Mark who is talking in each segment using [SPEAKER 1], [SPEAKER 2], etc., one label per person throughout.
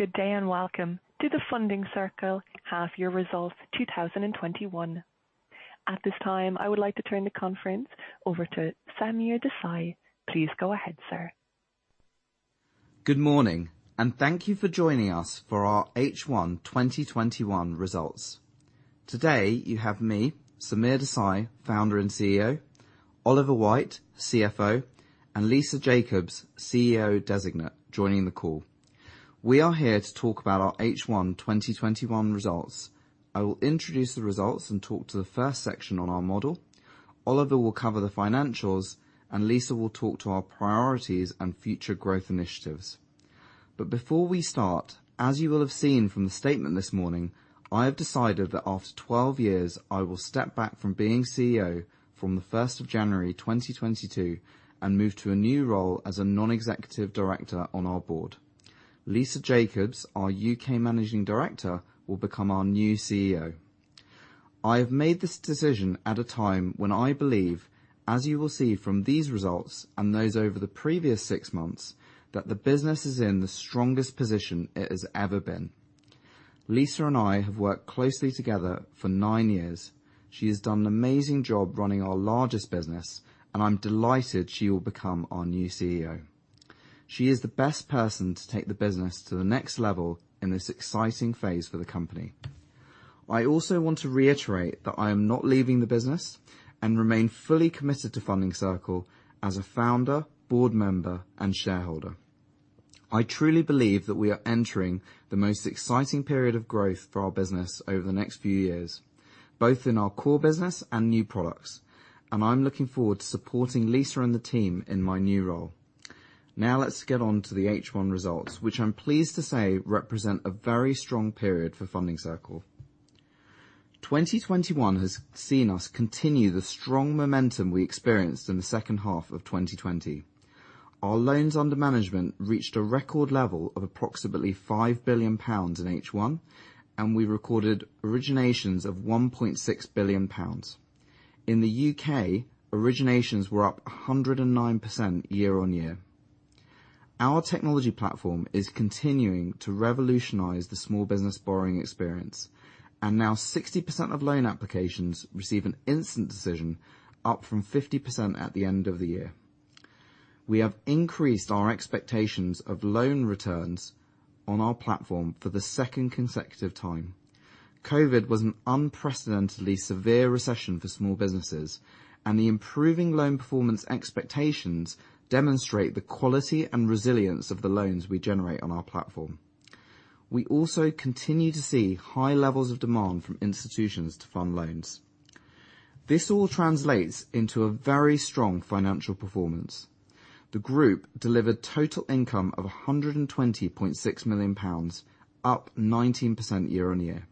[SPEAKER 1] Good day and welcome to the Funding Circle Half-Year Results 2021. At this time, I would like to turn the conference over to Samir Desai. Please go ahead, sir.
[SPEAKER 2] Good morning, and thank you for joining us for our H1 2021 results. Today, you have me, Samir Desai, founder and CEO, Oliver White, CFO, and Lisa Jacobs, CEO designate, joining the call. We are here to talk about our H1 2021 results. I will introduce the results and talk to the first section on our model. Oliver will cover the financials, and Lisa will talk to our priorities and future growth initiatives. Before we start, as you will have seen from the statement this morning, I have decided that after 12 years, I will step back from being CEO from the 1st of January 2022, and move to a new role as a non-executive director on our board. Lisa Jacobs, our U.K. Managing Director, will become our new CEO. I have made this decision at a time when I believe, as you will see from these results and those over the previous six months, that the business is in the strongest position it has ever been. Lisa and I have worked closely together for nine years. She has done an amazing job running our largest business, and I'm delighted she will become our new CEO. She is the best person to take the business to the next level in this exciting phase for the company. I also want to reiterate that I am not leaving the business and remain fully committed to Funding Circle as a founder, board member, and shareholder. I truly believe that we are entering the most exciting period of growth for our business over the next few years, both in our core business and new products, and I'm looking forward to supporting Lisa and the team in my new role. Now let's get on to the H1 results, which I'm pleased to say represent a very strong period for Funding Circle. 2021 has seen us continue the strong momentum we experienced in the H2 of 2020. Our loans under management reached a record level of approximately 5 billion pounds in H1, and we recorded originations of 1.6 billion pounds. In the U.K., originations were up 109% year-on-year. Our technology platform is continuing to revolutionize the small business borrowing experience. Now 60% of loan applications receive an instant decision, up from 50% at the end of the year. We have increased our expectations of loan returns on our platform for the second consecutive time. COVID was an unprecedentedly severe recession for small businesses, and the improving loan performance expectations demonstrate the quality and resilience of the loans we generate on our platform. We also continue to see high levels of demand from institutions to fund loans. This all translates into a very strong financial performance. The group delivered total income of 120.6 million pounds, up 19% year-on-year.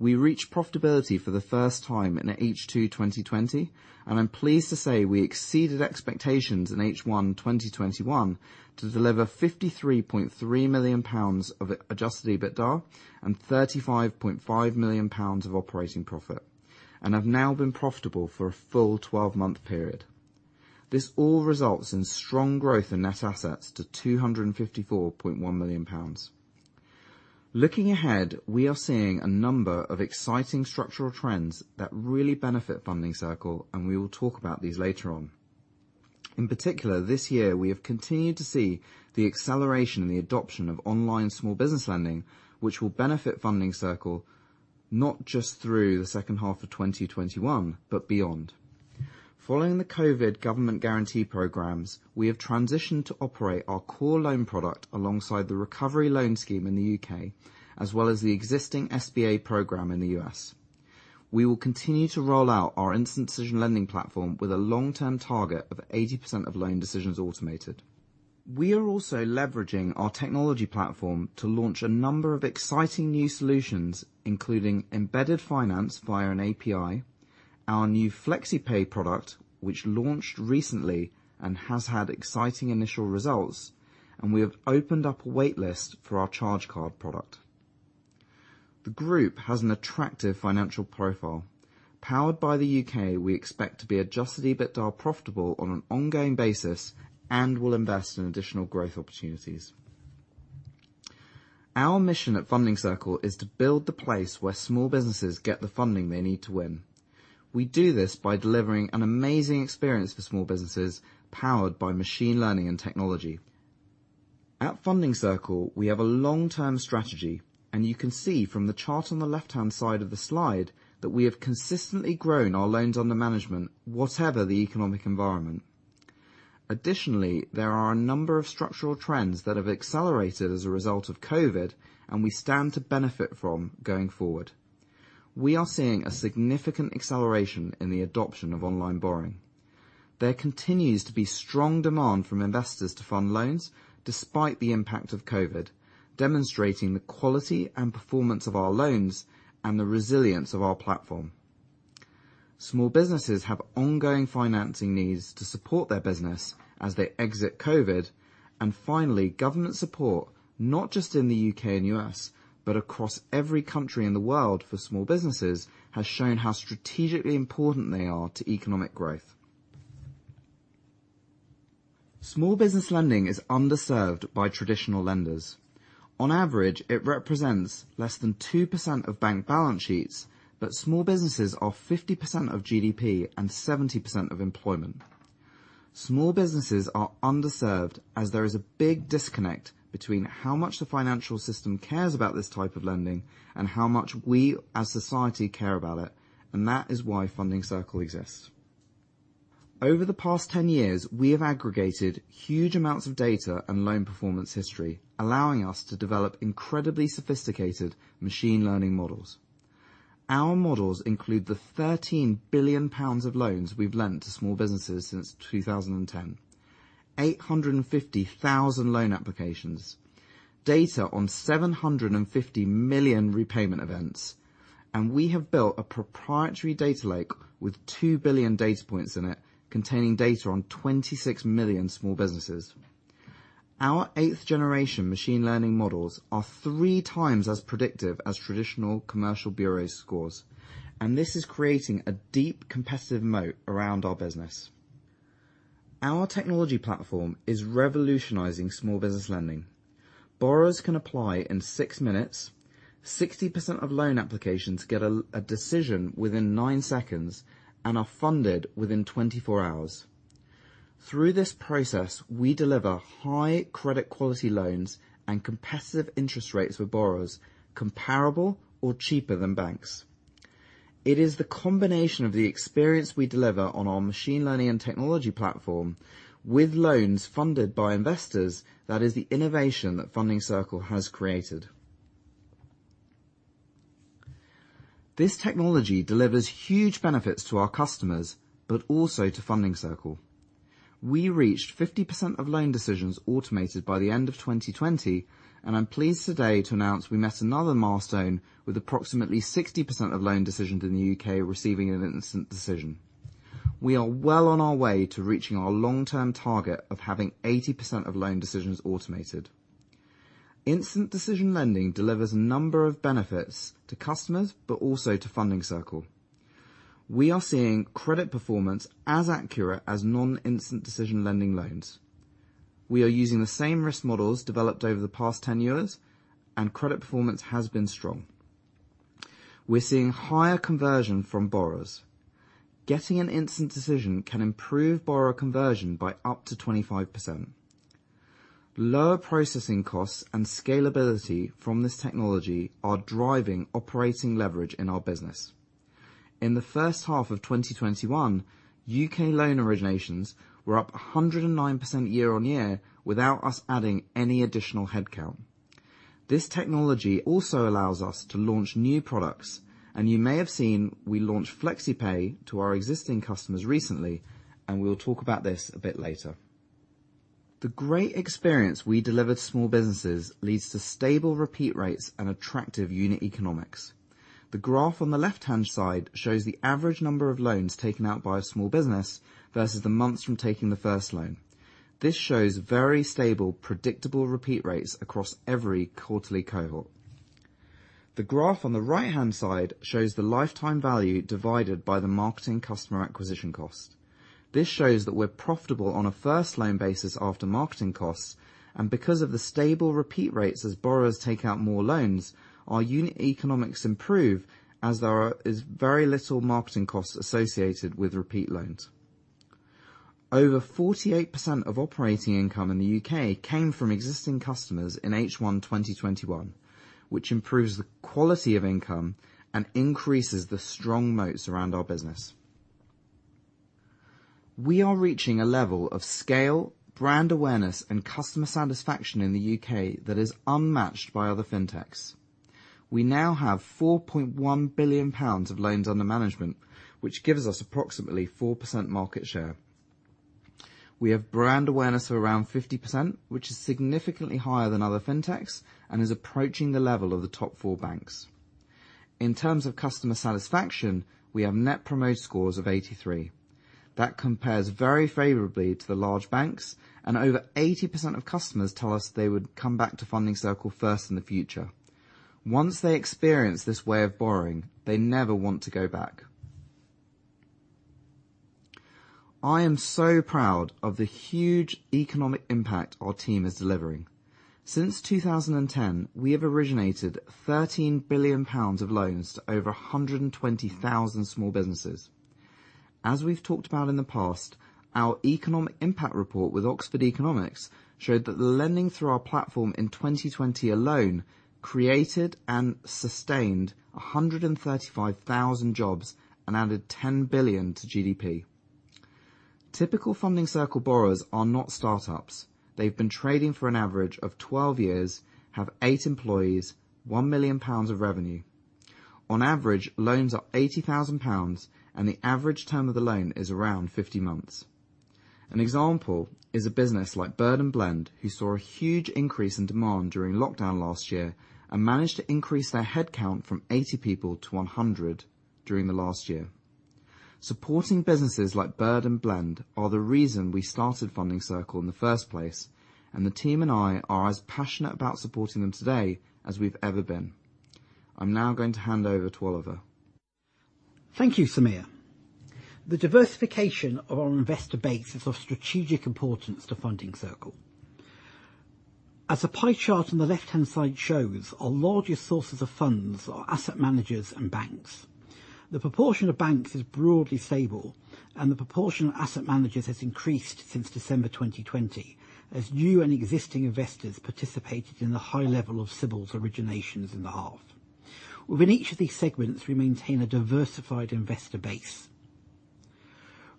[SPEAKER 2] We reached profitability for the first time in H2 2020, and I'm pleased to say we exceeded expectations in H1 2021 to deliver 53.3 million pounds of adjusted EBITDA and 35.5 million pounds of operating profit and have now been profitable for a full 12-month period. This all results in strong growth in net assets to 254.1 million pounds. Looking ahead, we are seeing a number of exciting structural trends that really benefit Funding Circle, and we will talk about these later on. In particular, this year, we have continued to see the acceleration in the adoption of online small business lending, which will benefit Funding Circle not just through the H2 of 2021 but beyond. Following the COVID government guarantee programs, we have transitioned to operate our core loan product alongside the Recovery Loan Scheme in the U.K., as well as the existing SBA program in the U.S. We will continue to roll out our instant decision lending platform with a long-term target of 80% of loan decisions automated. We are also leveraging our technology platform to launch a number of exciting new solutions, including embedded finance via an API, our new FlexiPay product, which launched recently and has had exciting initial results, and we have opened up a wait list for our charge card product. The group has an attractive financial profile. Powered by the U.K., we expect to be adjusted EBITDA profitable on an ongoing basis and will invest in additional growth opportunities. Our mission at Funding Circle is to build the place where small businesses get the funding they need to win. We do this by delivering an amazing experience for small businesses, powered by machine learning and technology. At Funding Circle, we have a long-term strategy, and you can see from the chart on the left-hand side of the slide that we have consistently grown our loans under management, whatever the economic environment. Additionally, there are a number of structural trends that have accelerated as a result of COVID, and we stand to benefit from going forward. We are seeing a significant acceleration in the adoption of online borrowing. There continues to be strong demand from investors to fund loans despite the impact of COVID, demonstrating the quality and performance of our loans and the resilience of our platform. Small businesses have ongoing financing needs to support their business as they exit COVID. Finally, government support, not just in the U.K. and U.S., but across every country in the world for small businesses, has shown how strategically important they are to economic growth. Small business lending is underserved by traditional lenders. On average, it represents less than 2% of bank balance sheets, but small businesses are 50% of GDP and 70% of employment. Small businesses are underserved, as there is a big disconnect between how much the financial system cares about this type of lending and how much we as a society care about it, and that is why Funding Circle exists. Over the past 10 years, we have aggregated huge amounts of data and loan performance history, allowing us to develop incredibly sophisticated machine learning models. Our models include the 13 billion pounds of loans we've lent to small businesses since 2010, 850,000 loan applications, and data on 750 million repayment events, and we have built a proprietary data lake with two billion data points in it, containing data on 26 million small businesses. Our eighth-generation machine learning models are three times as predictive as traditional commercial bureau scores, and this is creating a deep competitive moat around our business. Our technology platform is revolutionizing small business lending. Borrowers can apply in six minutes, 60% of loan applications get a decision within nine seconds and are funded within 24 hours. Through this process, we deliver high credit quality loans and competitive interest rates for borrowers comparable to or cheaper than banks'. It is the combination of the experience we deliver on our machine learning and technology platform with loans funded by investors that is the innovation that Funding Circle has created. This technology delivers huge benefits to our customers but also to Funding Circle. We reached 50% of loan decisions automated by the end of 2020, and I'm pleased today to announce we met another milestone with approximately 60% of loan decisions in the U.K. receiving an instant decision. We are well on our way to reaching our long-term target of having 80% of loan decisions automated. Instant decision lending delivers a number of benefits to customers, but also to Funding Circle. We are seeing credit performance as accurate as non-instant decision lending loans. We are using the same risk models developed over the past 10 years, and credit performance has been strong. We're seeing higher conversion from borrowers. Getting an instant decision can improve borrower conversion by up to 25%. Lower processing costs and scalability from this technology are driving operating leverage in our business. In the first half of 2021, U.K. loan originations were up 109% year-on-year without us adding any additional headcount. This technology also allows us to launch new products, and you may have seen we launched FlexiPay to our existing customers recently, and we will talk about this a bit later. The great experience we deliver to small businesses leads to stable repeat rates and attractive unit economics. The graph on the left-hand side shows the average number of loans taken out by a small business versus the months from taking the first loan. This shows very stable, predictable repeat rates across every quarterly cohort. The graph on the right-hand side shows the lifetime value divided by the marketing customer acquisition cost. This shows that we're profitable on a first loan basis after marketing costs, and because of the stable repeat rates as borrowers take out more loans, our unit economics improve as there are very little marketing costs associated with repeat loans. Over 48% of operating income in the U.K. came from existing customers in H1 2021, which improves the quality of income and increases the strong moats around our business. We are reaching a level of scale, brand awareness, and customer satisfaction in the U.K. that is unmatched by other fintechs. We now have 4.1 billion pounds of loans under management, which gives us approximately 4% market share. We have brand awareness of around 50%, which is significantly higher than other fintechs and is approaching the level of the top four banks. In terms of customer satisfaction, we have a Net Promoter Score of 83. That compares very favorably to the large banks, and over 80% of customers tell us they would come back to Funding Circle first in the future. Once they experience this way of borrowing, they never want to go back. I am so proud of the huge economic impact our team is delivering. Since 2010, we have originated 13 billion pounds of loans to over 120,000 small businesses. As we've talked about in the past, our economic impact report with Oxford Economics showed that the lending through our platform in 2020 alone created and sustained 135,000 jobs and added 10 billion to GDP. Typical Funding Circle borrowers are not startups. They've been trading for an average of 12 years, have eight employees, and have 1 million pounds of revenue. On average, loans are 80,000 pounds, and the average term of the loan is around 50 months. An example is a business like Bird & Blend, who saw a huge increase in demand during lockdown last year and managed to increase their headcount from 80 people to 100 during the last year. Supporting businesses like Bird & Blend is the reason we started Funding Circle in the first place, and the team and I are as passionate about supporting them today as we've ever been. I'm now going to hand over to Oliver.
[SPEAKER 3] Thank you, Samir. The diversification of our investor base is of strategic importance to Funding Circle. As the pie chart on the left-hand side shows, our largest sources of funds are asset managers and banks. The proportion of banks is broadly stable, and the proportion of asset managers has increased since December 2020 as new and existing investors participated in the high level of CBILS originations in the half. Within each of these segments, we maintain a diversified investor base.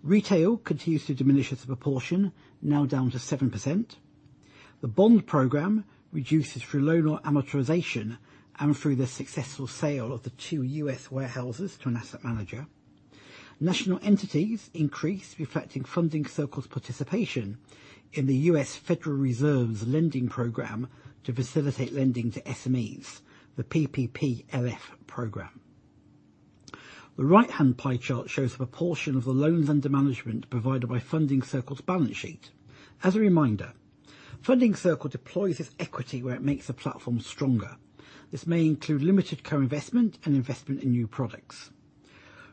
[SPEAKER 3] Retail continues to diminish as a proportion, now down to 7%. The bond program reduces through loan amortization and through the successful sale of the two U.S. warehouses to an asset manager. National entities increase, reflecting Funding Circle's participation in the U.S. Federal Reserve's lending program to facilitate lending to SMEs, the PPPLF program. The right-hand pie chart shows the proportion of the loans under management provided by Funding Circle's balance sheet. As a reminder, Funding Circle deploys its equity where it makes the platform stronger. This may include limited co-investment and investment in new products.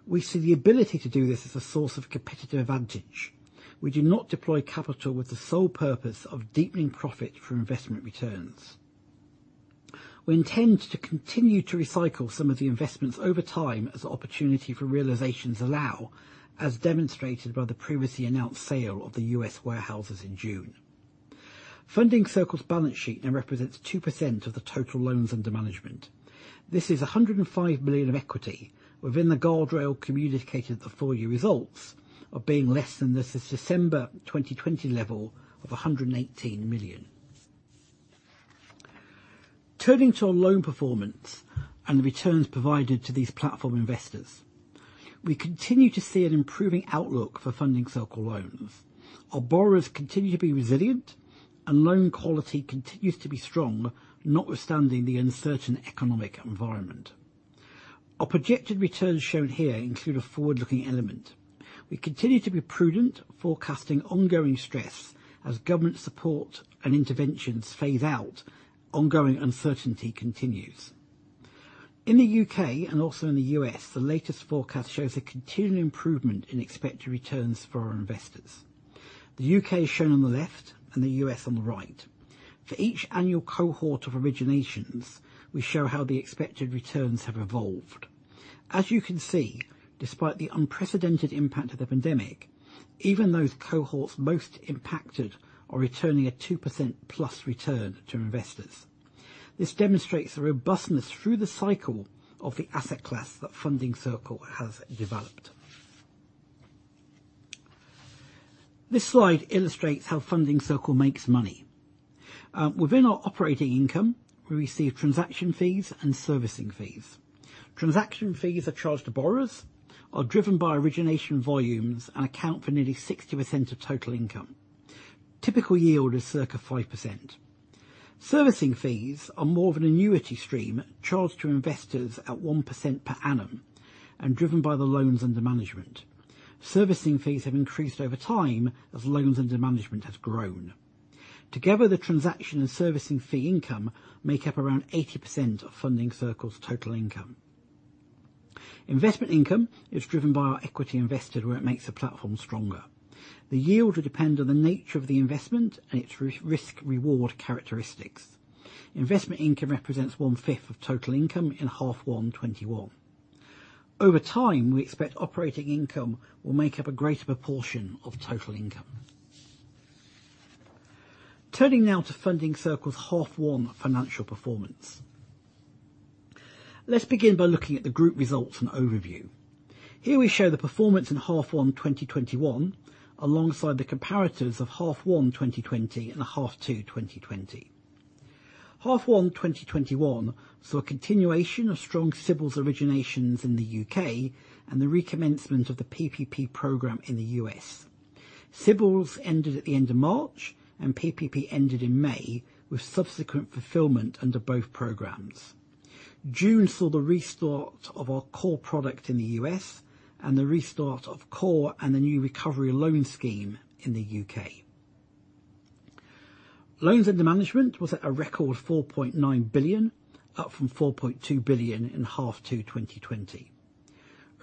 [SPEAKER 3] We see the ability to do this as a source of competitive advantage. We do not deploy capital with the sole purpose of deepening profit for investment returns. We intend to continue to recycle some of the investments over time as opportunities for realizations allow, as demonstrated by the previously announced sale of the U.S. warehouses in June. Funding Circle's balance sheet now represents 2% of the total loans under management. This is 105 million of equity within the guardrail communicated at the full-year results of being less than the December 2020 level of GBP 118 million. Turning to our loan performance and the returns provided to these platform investors. We continue to see an improving outlook for Funding Circle loans. Our borrowers continue to be resilient, and loan quality continues to be strong notwithstanding the uncertain economic environment. Our projected returns shown here include a forward-looking element. We continue to be prudent, forecasting ongoing stress as government support and interventions phase out, and ongoing uncertainty continues. In the U.K. and also in the U.S., the latest forecast shows a continual improvement in expected returns for our investors. The U.K. is shown on the left and the U.S. on the right. For each annual cohort of originations, we show how the expected returns have evolved. As you can see, despite the unprecedented impact of the pandemic, even those cohorts most impacted are returning a +2% return to investors. This demonstrates the robustness through the cycle of the asset class that Funding Circle has developed. This slide illustrates how Funding Circle makes money. Within our operating income, we receive transaction fees and servicing fees. Transaction fees are charged to borrowers, are driven by origination volumes, and account for nearly 60% of total income. Typical yield is circa 5%. Servicing fees are more of an annuity stream charged to investors at 1% per annum and driven by the loans under management. Servicing fees have increased over time as loans under management have grown. Together, the transaction and servicing fee income make up around 80% of Funding Circle's total income. Investment income is driven by our equity invested, where it makes the platform stronger. The yield will depend on the nature of the investment and its risk-reward characteristics. Investment income represents one-fifth of total income in H1 2021. Over time, we expect operating income will make up a greater proportion of total income. Turning now to Funding Circle's H1 financial performance. Let's begin by looking at the group results and overview. Here we show the performance in H1 2021, alongside the comparatives of H1 2020, and H2 2020. H1 2021 saw a continuation of strong CBILS originations in the U.K. and the recommencement of the PPP program in the U.S. CBILS ended at the end of March, and PPP ended in May, with subsequent fulfillment under both programs. June saw the restart of our core product in the U.S. and the restart of the core and the new Recovery Loan Scheme in the U.K. Loans under management were at a record 4.9 billion, up from 4.2 billion in H2 2020.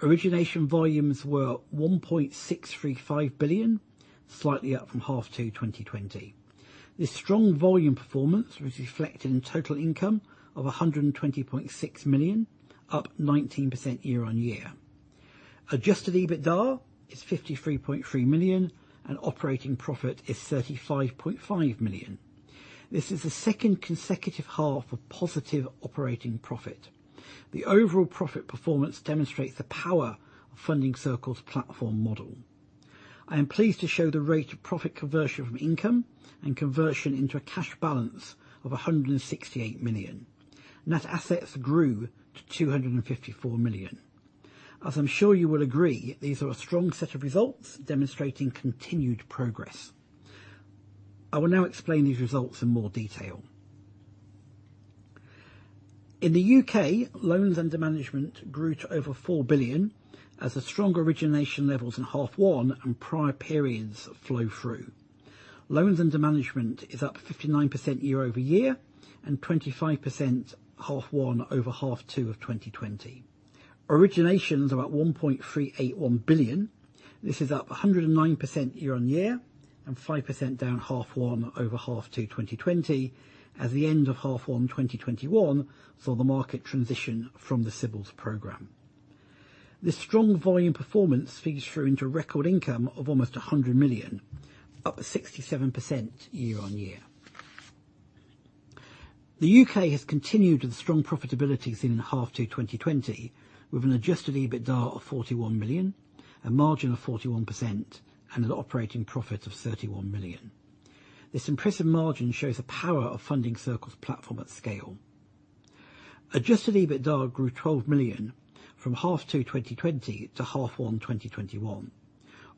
[SPEAKER 3] Origination volumes were 1.635 billion, slightly up from H2 2020. This strong volume performance was reflected in total income of 120.6 million, up 19% year-on-year. Adjusted EBITDA is 53.3 million, and operating profit is 35.5 million. This is the second consecutive half of positive operating profit. The overall profit performance demonstrates the power of Funding Circle's platform model. I am pleased to show the rate of profit conversion from income and conversion into a cash balance of 168 million. Net assets grew to 254 million. As I'm sure you will agree, these are a strong set of results demonstrating continued progress. I will now explain these results in more detail. In the U.K., loans under management grew to over 4 billion as the strong origination levels in H1 and prior periods flow through. Loans under management are up 59% year-over-year and 25% H1 over H2 2020. Originations, about 1.381 billion. This is up 109% year-on-year and 5% down H1 2021 over H2 2020, as the end of H1 2021 saw the market transition from the CBILS program. This strong volume performance feeds through into record income of almost 100 million, up 67% year-on-year. The U.K. has continued with strong profitability seen in H2 2020, with an adjusted EBITDA of 41 million, a margin of 41%, and an operating profit of 31 million. This impressive margin shows the power of Funding Circle's platform at scale. Adjusted EBITDA grew 12 million from H2 2020 to H1 2021.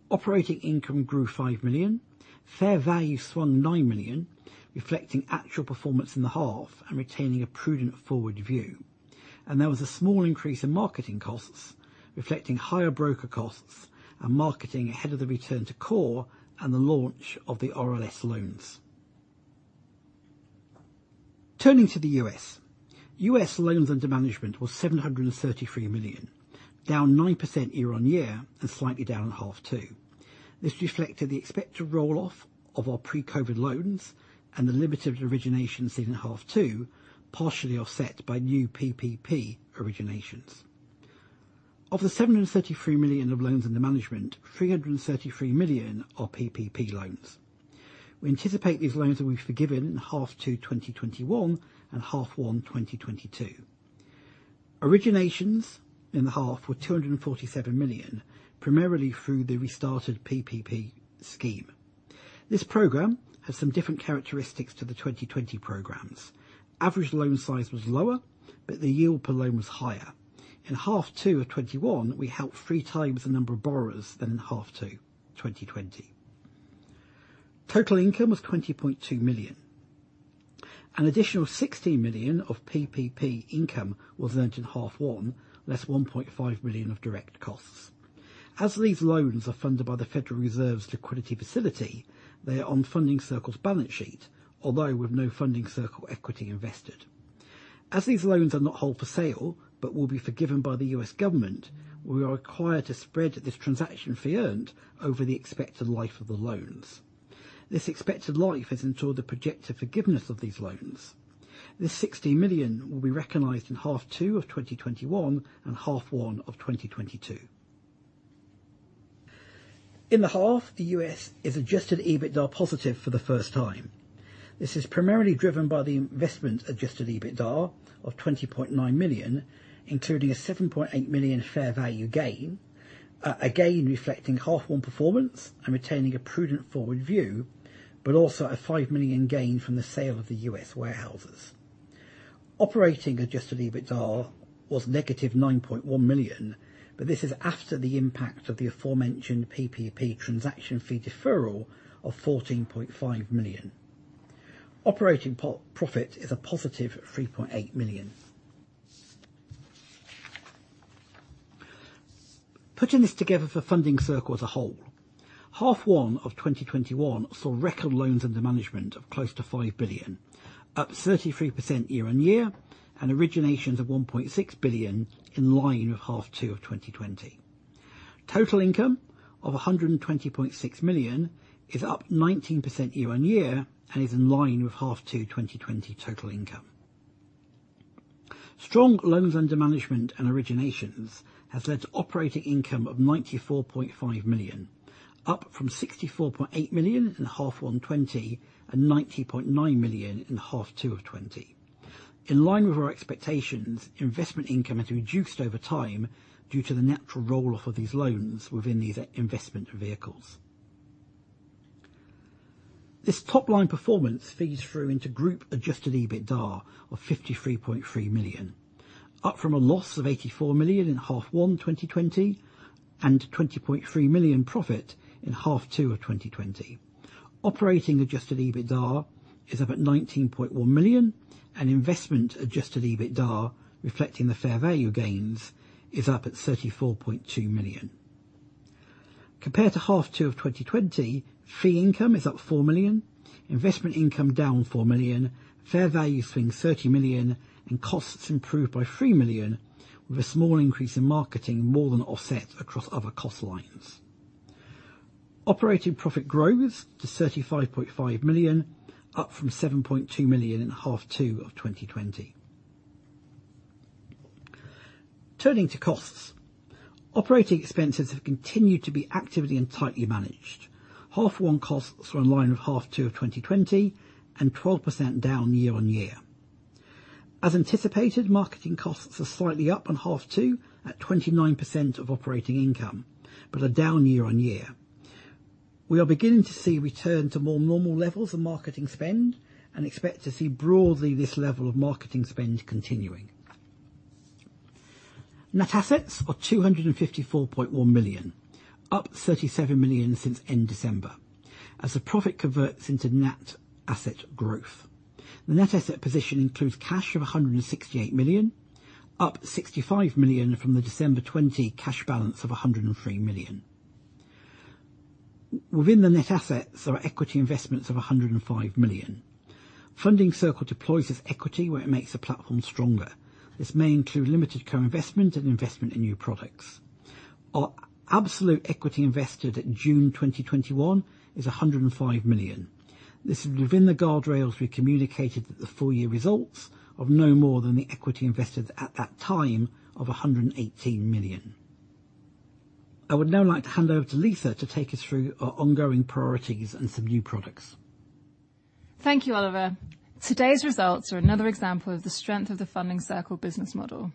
[SPEAKER 3] Operating income grew 5 million. Fair value swung 9 million, reflecting actual performance in the half and retaining a prudent forward view. There was a small increase in marketing costs, reflecting higher broker costs and marketing ahead of the return to core and the launch of the RLS loans. Turning to the U.S., U.S. loans under management were 733 million, down 9% year-on-year and slightly down on H2. This reflected the expected roll-off of our pre-COVID loans and the limited originations seen in H2, partially offset by new PPP originations. Of the 733 million of loans under management, 333 million are PPP loans. We anticipate these loans will be forgiven in H2 2021 and H1 2022. Originations in the half were 247 million, primarily through the restarted PPP scheme. This program has some different characteristics from the 2020 programs. Average loan size was lower, but the yield per loan was higher. In H2 2021, we helped three times the number of borrowers than in H2 2020. Total income was 20.2 million. An additional 16 million of PPP income was earned in H1, less 1.5 million of direct costs. As these loans are funded by the U.S. Federal Reserve's liquidity facility, they are on Funding Circle's balance sheet, although with no Funding Circle equity invested. As these loans are not held for sale but will be forgiven by the U.S. government, we are required to spread this transaction fee earned over the expected life of the loans. This expected life is until the projected forgiveness of these loans. This 16 million will be recognized in H2 2021 and H1 2022. In the half, the U.S. is adjusted EBITDA positive for the first time. This is primarily driven by the investment-adjusted EBITDA of 20.9 million, including a 7.8 million fair value gain, again reflecting H1 performance and retaining a prudent forward view, but also a 5 million gain from the sale of the U.S. warehouses. Operating adjusted EBITDA was negative 9.1 million, but this is after the impact of the aforementioned PPP transaction fee deferral of 14.5 million. Operating profit is a positive 3.8 million. Putting this together for Funding Circle as a whole, H1 of 2021 saw record loans under management of close to 5 billion, up 33% year-on-year, and originations of 1.6 billion, in line with H2 of 2020. Total income of 120.6 million is up 19% year-on-year and is in line with the H2 of 2020 total income. Strong loans under management and originations have led to operating income of 94.5 million, up from 64.8 million in H1 2020 and 90.9 million in H2 2020. In line with our expectations, investment income has reduced over time due to the natural roll-off of these loans within these investment vehicles. This top-line performance feeds through into group adjusted EBITDA of 53.3 million, up from a loss of 84 million in H1 2020 and a 20.3 million profit in H2 2020. Operating adjusted EBITDA is up at 19.1 million. Investment-adjusted EBITDA, reflecting the fair value gains, is up at 34.2 million. Compared to H2 2020, fee income is up 4 million, investment income is down 4 million, the fair value swing is 30 million, and costs improved by 3 million, with a small increase in marketing more than offset across other cost lines. Operating profit grows to 35.5 million, up from 7.2 million in H2 of 2020. Turning to costs. Operating expenses have continued to be actively and tightly managed. H1 costs are in line with H2 of 2020 and 12% down year-over-year. As anticipated, marketing costs are slightly up in H2 at 29% of operating income but are down year-on-year. We are beginning to see a return to more normal levels of marketing spend and expect to see broadly this level of marketing spend continuing. Net assets are 254.1 million, up 37 million since the end of December as the profit converts into net asset growth. The net asset position includes cash of 168 million, up 65 million from the December 2020 cash balance of 103 million. Within the net assets, our equity investments of 105 million. Funding Circle deploys its equity where it makes the platform stronger. This may include limited co-investment and investment in new products. Our absolute equity invested at June 2021 is 105 million. This is within the guardrails we communicated at the full-year results of no more than the equity invested at that time of 118 million. I would now like to hand over to Lisa to take us through our ongoing priorities and some new products.
[SPEAKER 4] Thank you, Oliver. Today's results are another example of the strength of the Funding Circle business model.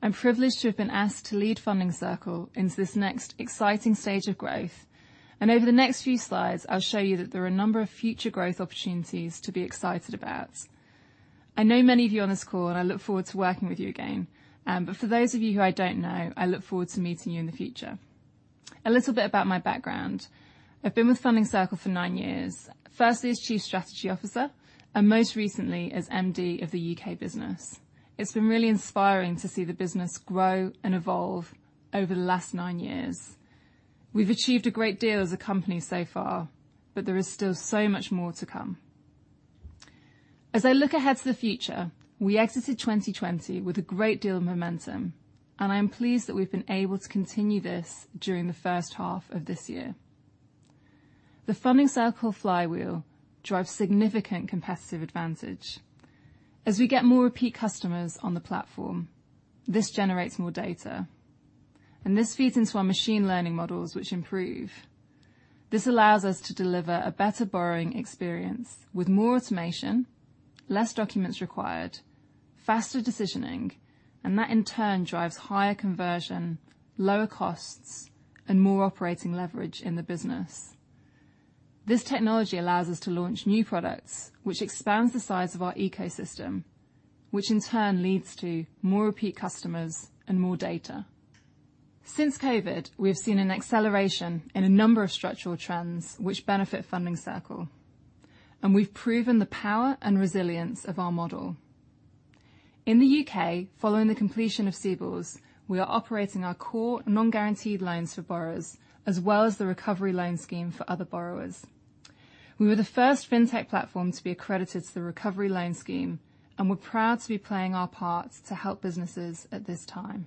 [SPEAKER 4] I'm privileged to have been asked to lead Funding Circle into this next exciting stage of growth, and over the next few slides, I'll show you that there are a number of future growth opportunities to be excited about. I know many of you on this call, and I look forward to working with you again. For those of you who I don't know, I look forward to meeting you in the future. A little bit about my background. I've been with Funding Circle for nine years, firstly as chief strategy officer, and most recently as MD of the U.K. business. It's been really inspiring to see the business grow and evolve over the last nine years. We've achieved a great deal as a company so far, but there is still so much more to come. As I look ahead to the future, we exited 2020 with a great deal of momentum, and I am pleased that we've been able to continue this during the first half of this year. The Funding Circle flywheel drives significant competitive advantage. As we get more repeat customers on the platform, this generates more data, and this feeds into our machine learning models, which improve. This allows us to deliver a better borrowing experience with more automation, less documents required, faster decisioning, and that, in turn, drives higher conversion, lower costs, and more operating leverage in the business. This technology allows us to launch new products, which expands the size of our ecosystem, which in turn leads to more repeat customers and more data. Since COVID, we have seen an acceleration in a number of structural trends that benefit Funding Circle, and we've proven the power and resilience of our model. In the U.K., following the completion of CBILS, we are operating our core non-guaranteed loans for borrowers, as well as the Recovery Loan Scheme for other borrowers. We were the first fintech platform to be accredited to the Recovery Loan Scheme, and we're proud to be playing our part to help businesses at this time.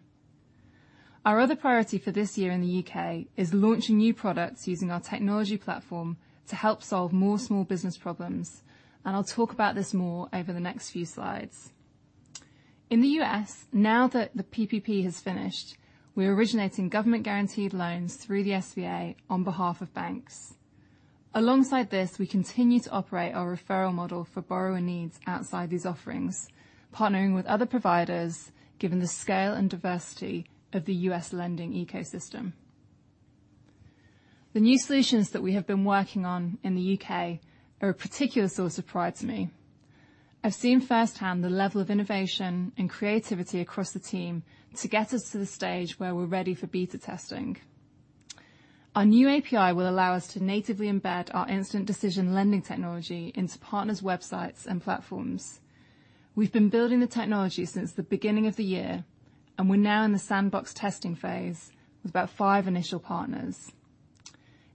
[SPEAKER 4] Our other priority for this year in the U.K. is launching new products using our technology platform to help solve more small business problems, and I'll talk about this more over the next few slides. In the U.S., now that the PPP has finished, we're originating government-guaranteed loans through the SBA on behalf of banks. Alongside this, we continue to operate our referral model for borrower needs outside these offerings, partnering with other providers, given the scale and diversity of the U.S. lending ecosystem. The new solutions that we have been working on in the U.K. are a particular source of pride to me. I've seen firsthand the level of innovation and creativity across the team to get us to the stage where we're ready for beta testing. Our new API will allow us to natively embed our instant decision lending technology into partners' websites and platforms. We've been building the technology since the beginning of this year. We're now in the sandbox testing phase with about five initial partners.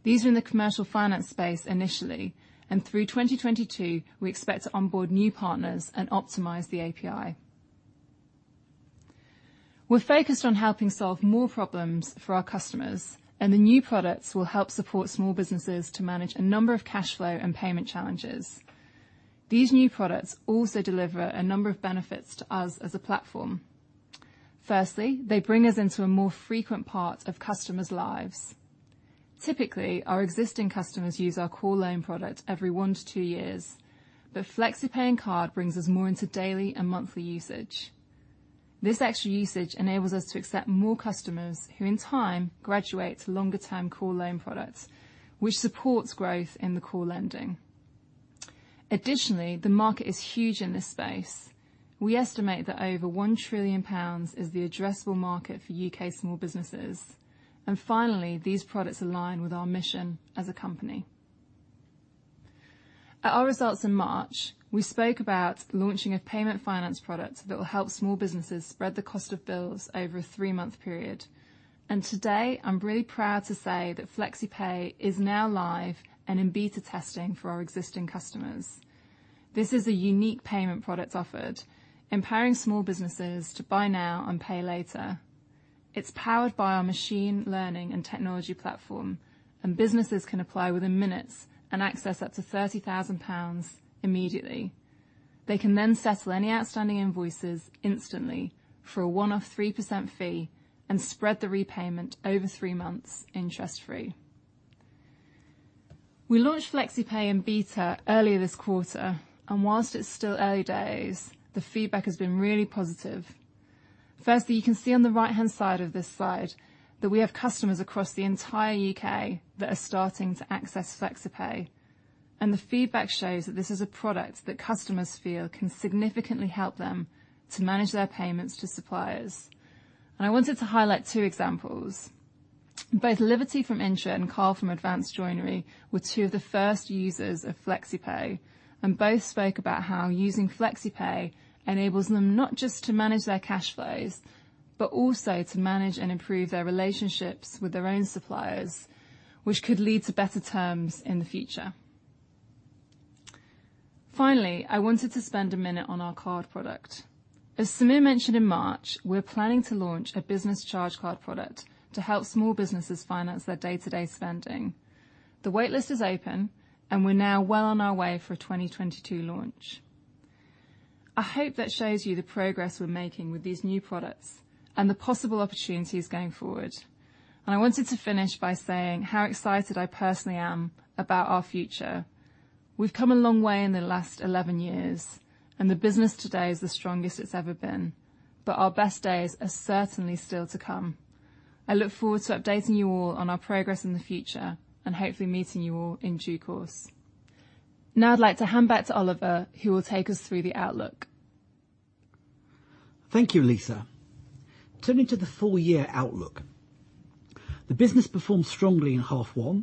[SPEAKER 4] These are in the commercial finance space initially. Through 2022, we expect to onboard new partners and optimize the API. We're focused on helping solve more problems for our customers, and the new products will help support small businesses to manage a number of cash flow and payment challenges. These new products also deliver a number of benefits to the platform. Firstly, they bring us into a more frequent part of customers' lives. Typically, our existing customers use our core loan product every one to two years, but FlexiPay and Card bring us more into daily and monthly usage. This extra usage enables us to accept more customers who, in time, graduate to longer-term core loan products, which supports growth in the core lending. Additionally, the market is huge in this space. We estimate that over 1 trillion pounds is the addressable market for U.K. small businesses. Finally, these products align with our mission as a company. At our results in March, we spoke about launching a payment finance product that will help small businesses spread the cost of bills over a three-month period. Today, I'm really proud to say that FlexiPay is now live and in beta testing for our existing customers. This is a unique payment product offered, empowering small businesses to buy now and pay later. It's powered by our machine learning and technology platform, businesses can apply within minutes and access up to 30,000 pounds immediately. They can settle any outstanding invoices instantly for a one-off 3% fee and spread the repayment over three months interest-free. We launched FlexiPay in beta earlier this quarter. While it's still early days, the feedback has been really positive. Firstly, you can see on the right-hand side of this slide that we have customers across the entire U.K. that are starting to access FlexiPay, the feedback shows that this is a product that customers feel can significantly help them to manage their payments to suppliers. I wanted to highlight two examples. Both Liberty from Insure and Carl from Advanced Joinery were two of the first users of FlexiPay, both spoke about how using FlexiPay enables them not just to manage their cash flows but also to manage and improve their relationships with their own suppliers, which could lead to better terms in the future. Finally, I wanted to spend a minute on our card product. As Samir mentioned in March, we're planning to launch a business charge card product to help small businesses finance their day-to-day spending. The wait list is open, and we're now well on our way for a 2022 launch. I hope that shows you the progress we're making with these new products and the possible opportunities going forward. I wanted to finish by saying how excited I personally am about our future. We've come a long way in the last 11 years, and the business today is the strongest it's ever been, but our best days are certainly still to come. I look forward to updating you all on our progress in the future and hopefully meeting you all in due course. Now I'd like to hand back to Oliver, who will take us through the outlook.
[SPEAKER 3] Thank you, Lisa. Turning to the full-year outlook. The business performed strongly in the first half,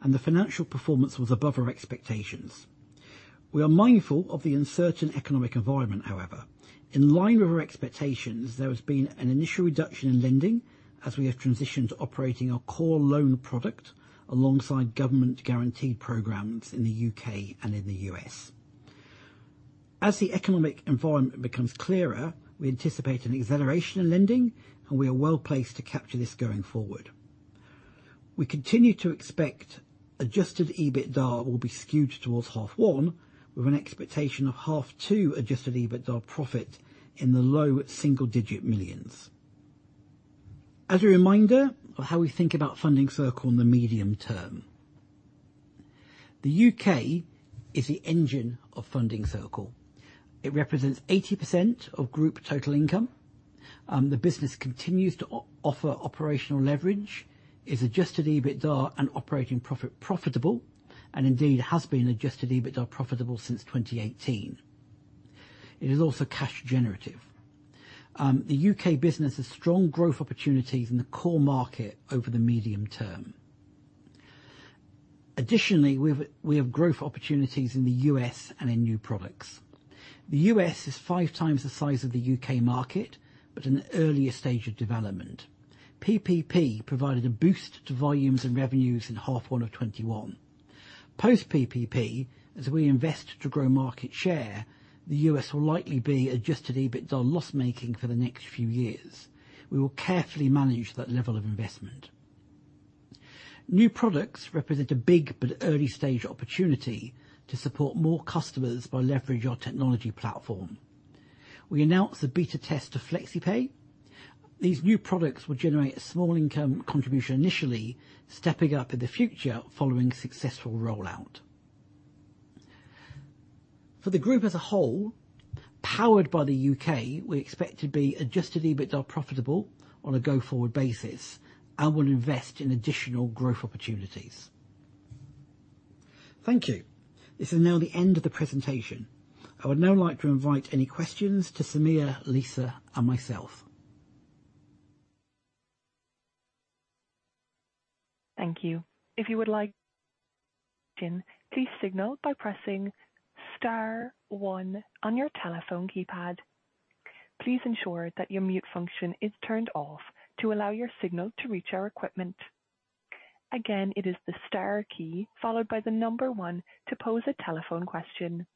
[SPEAKER 3] and the financial performance was above our expectations. We are mindful of the uncertain economic environment, however. In line with our expectations, there has been an initial reduction in lending as we have transitioned to operating our core loan product alongside government-guaranteed programs in the U.K. and in the U.S. As the economic environment becomes clearer, we anticipate an acceleration in lending, and we are well-placed to capture this going forward. We continue to expect adjusted EBITDA will be skewed towards H1 with an expectation of H2 adjusted EBITDA profit in the low-single-digit millions. As a reminder of how we think about Funding Circle in the medium term, the U.K. is the engine of Funding Circle. It represents 80% of the group's total income. The business continues to offer operational leverage, adjusted EBITDA and operating profit, and indeed has been adjusted EBITDA profitable since 2018. It is also cash-generative. The U.K. business has strong growth opportunities in the core market over the medium term. Additionally, we have growth opportunities in the U.S. and in new products. The U.S. is five times the size of the U.K. market, but at an earlier stage of development. PPP provided a boost to volumes and revenues in H1 2021. Post-PPP, as we invest to grow market share, the U.S. will likely be adjusted EBITDA loss-making for the next few years. We will carefully manage that level of investment. New products represent a big but early-stage opportunity to support more customers by leveraging our technology platform. We announced the beta test of FlexiPay. These new products will generate a small income contribution initially, stepping up in the future following a successful rollout. For the group as a whole, powered by the U.K., we expect to be adjusted EBITDA profitable on a go-forward basis and will invest in additional growth opportunities. Thank you. This is now the end of the presentation. I would now like to invite any questions for Samir, Lisa, and myself.
[SPEAKER 1] Thank you. If you would like to question, please signal by pressing star one on your telephone keypad. Please ensure that your mute function is turned off to allow your signal to reach our equipment. Again, it is the star key followed by the number one to pose a telephone question.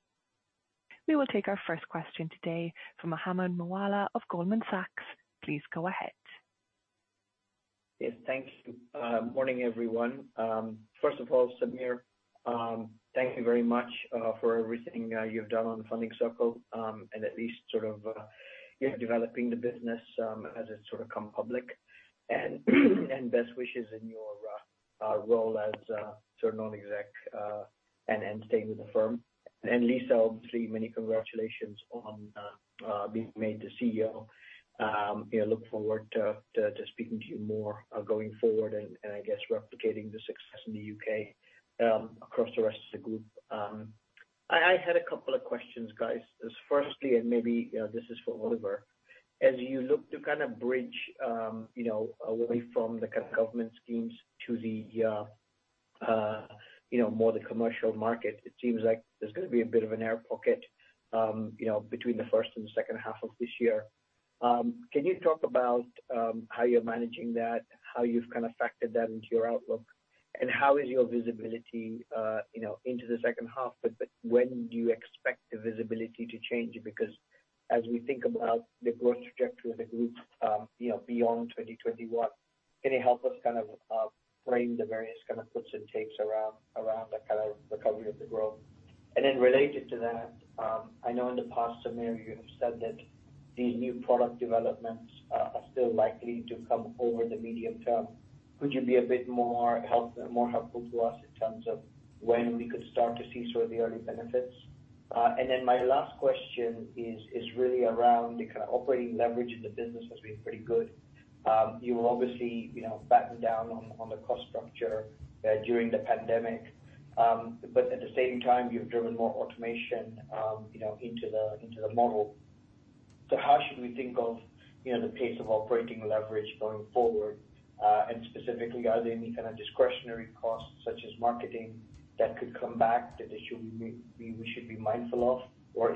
[SPEAKER 1] We will take our first question today from Mohammed Moawalla of Goldman Sachs. Please go ahead.
[SPEAKER 5] Yes, thank you. Morning, everyone. First of all, Samir Desai, thank you very much for everything you've done on Funding Circle and at least sort of developing the business as it's come public. Best wishes in your role as a non-exec and staying with the firm. Lisa Jacobs, obviously, many congratulations on being made CEO. I look forward to speaking to you more going forward and I guess replicating the success in the U.K. across the rest of the group. I had a couple of questions, guys. Firstly, and maybe this is for Oliver White. As you look to kind of bridge away from the kind of government schemes to more the commercial market, it seems like there's going to be a bit of an air pocket between the first and the second half of this year. Can you talk about how you're managing that, how you've kind of factored that into your outlook, and how your visibility is into the H2, but when do you expect the visibility to change? As we think about the growth trajectory of the group beyond 2021, can you help us kind of frame the various kinds of puts and takes around the kind of recovery of the growth? Related to that, I know in the past, Samir, you have said that these new product developments are still likely to come over the medium term. Could you be a bit more helpful to us in terms of when we could start to see sort of the early benefits? My last question is really around the kind of operating leverage. The business has been pretty good. You will obviously batten down on the cost structure during the pandemic, but at the same time, you've driven more automation into the model. How should we think of the pace of operating leverage going forward? Specifically, are there any kind of discretionary costs, such as marketing, that could come back that we should be mindful of?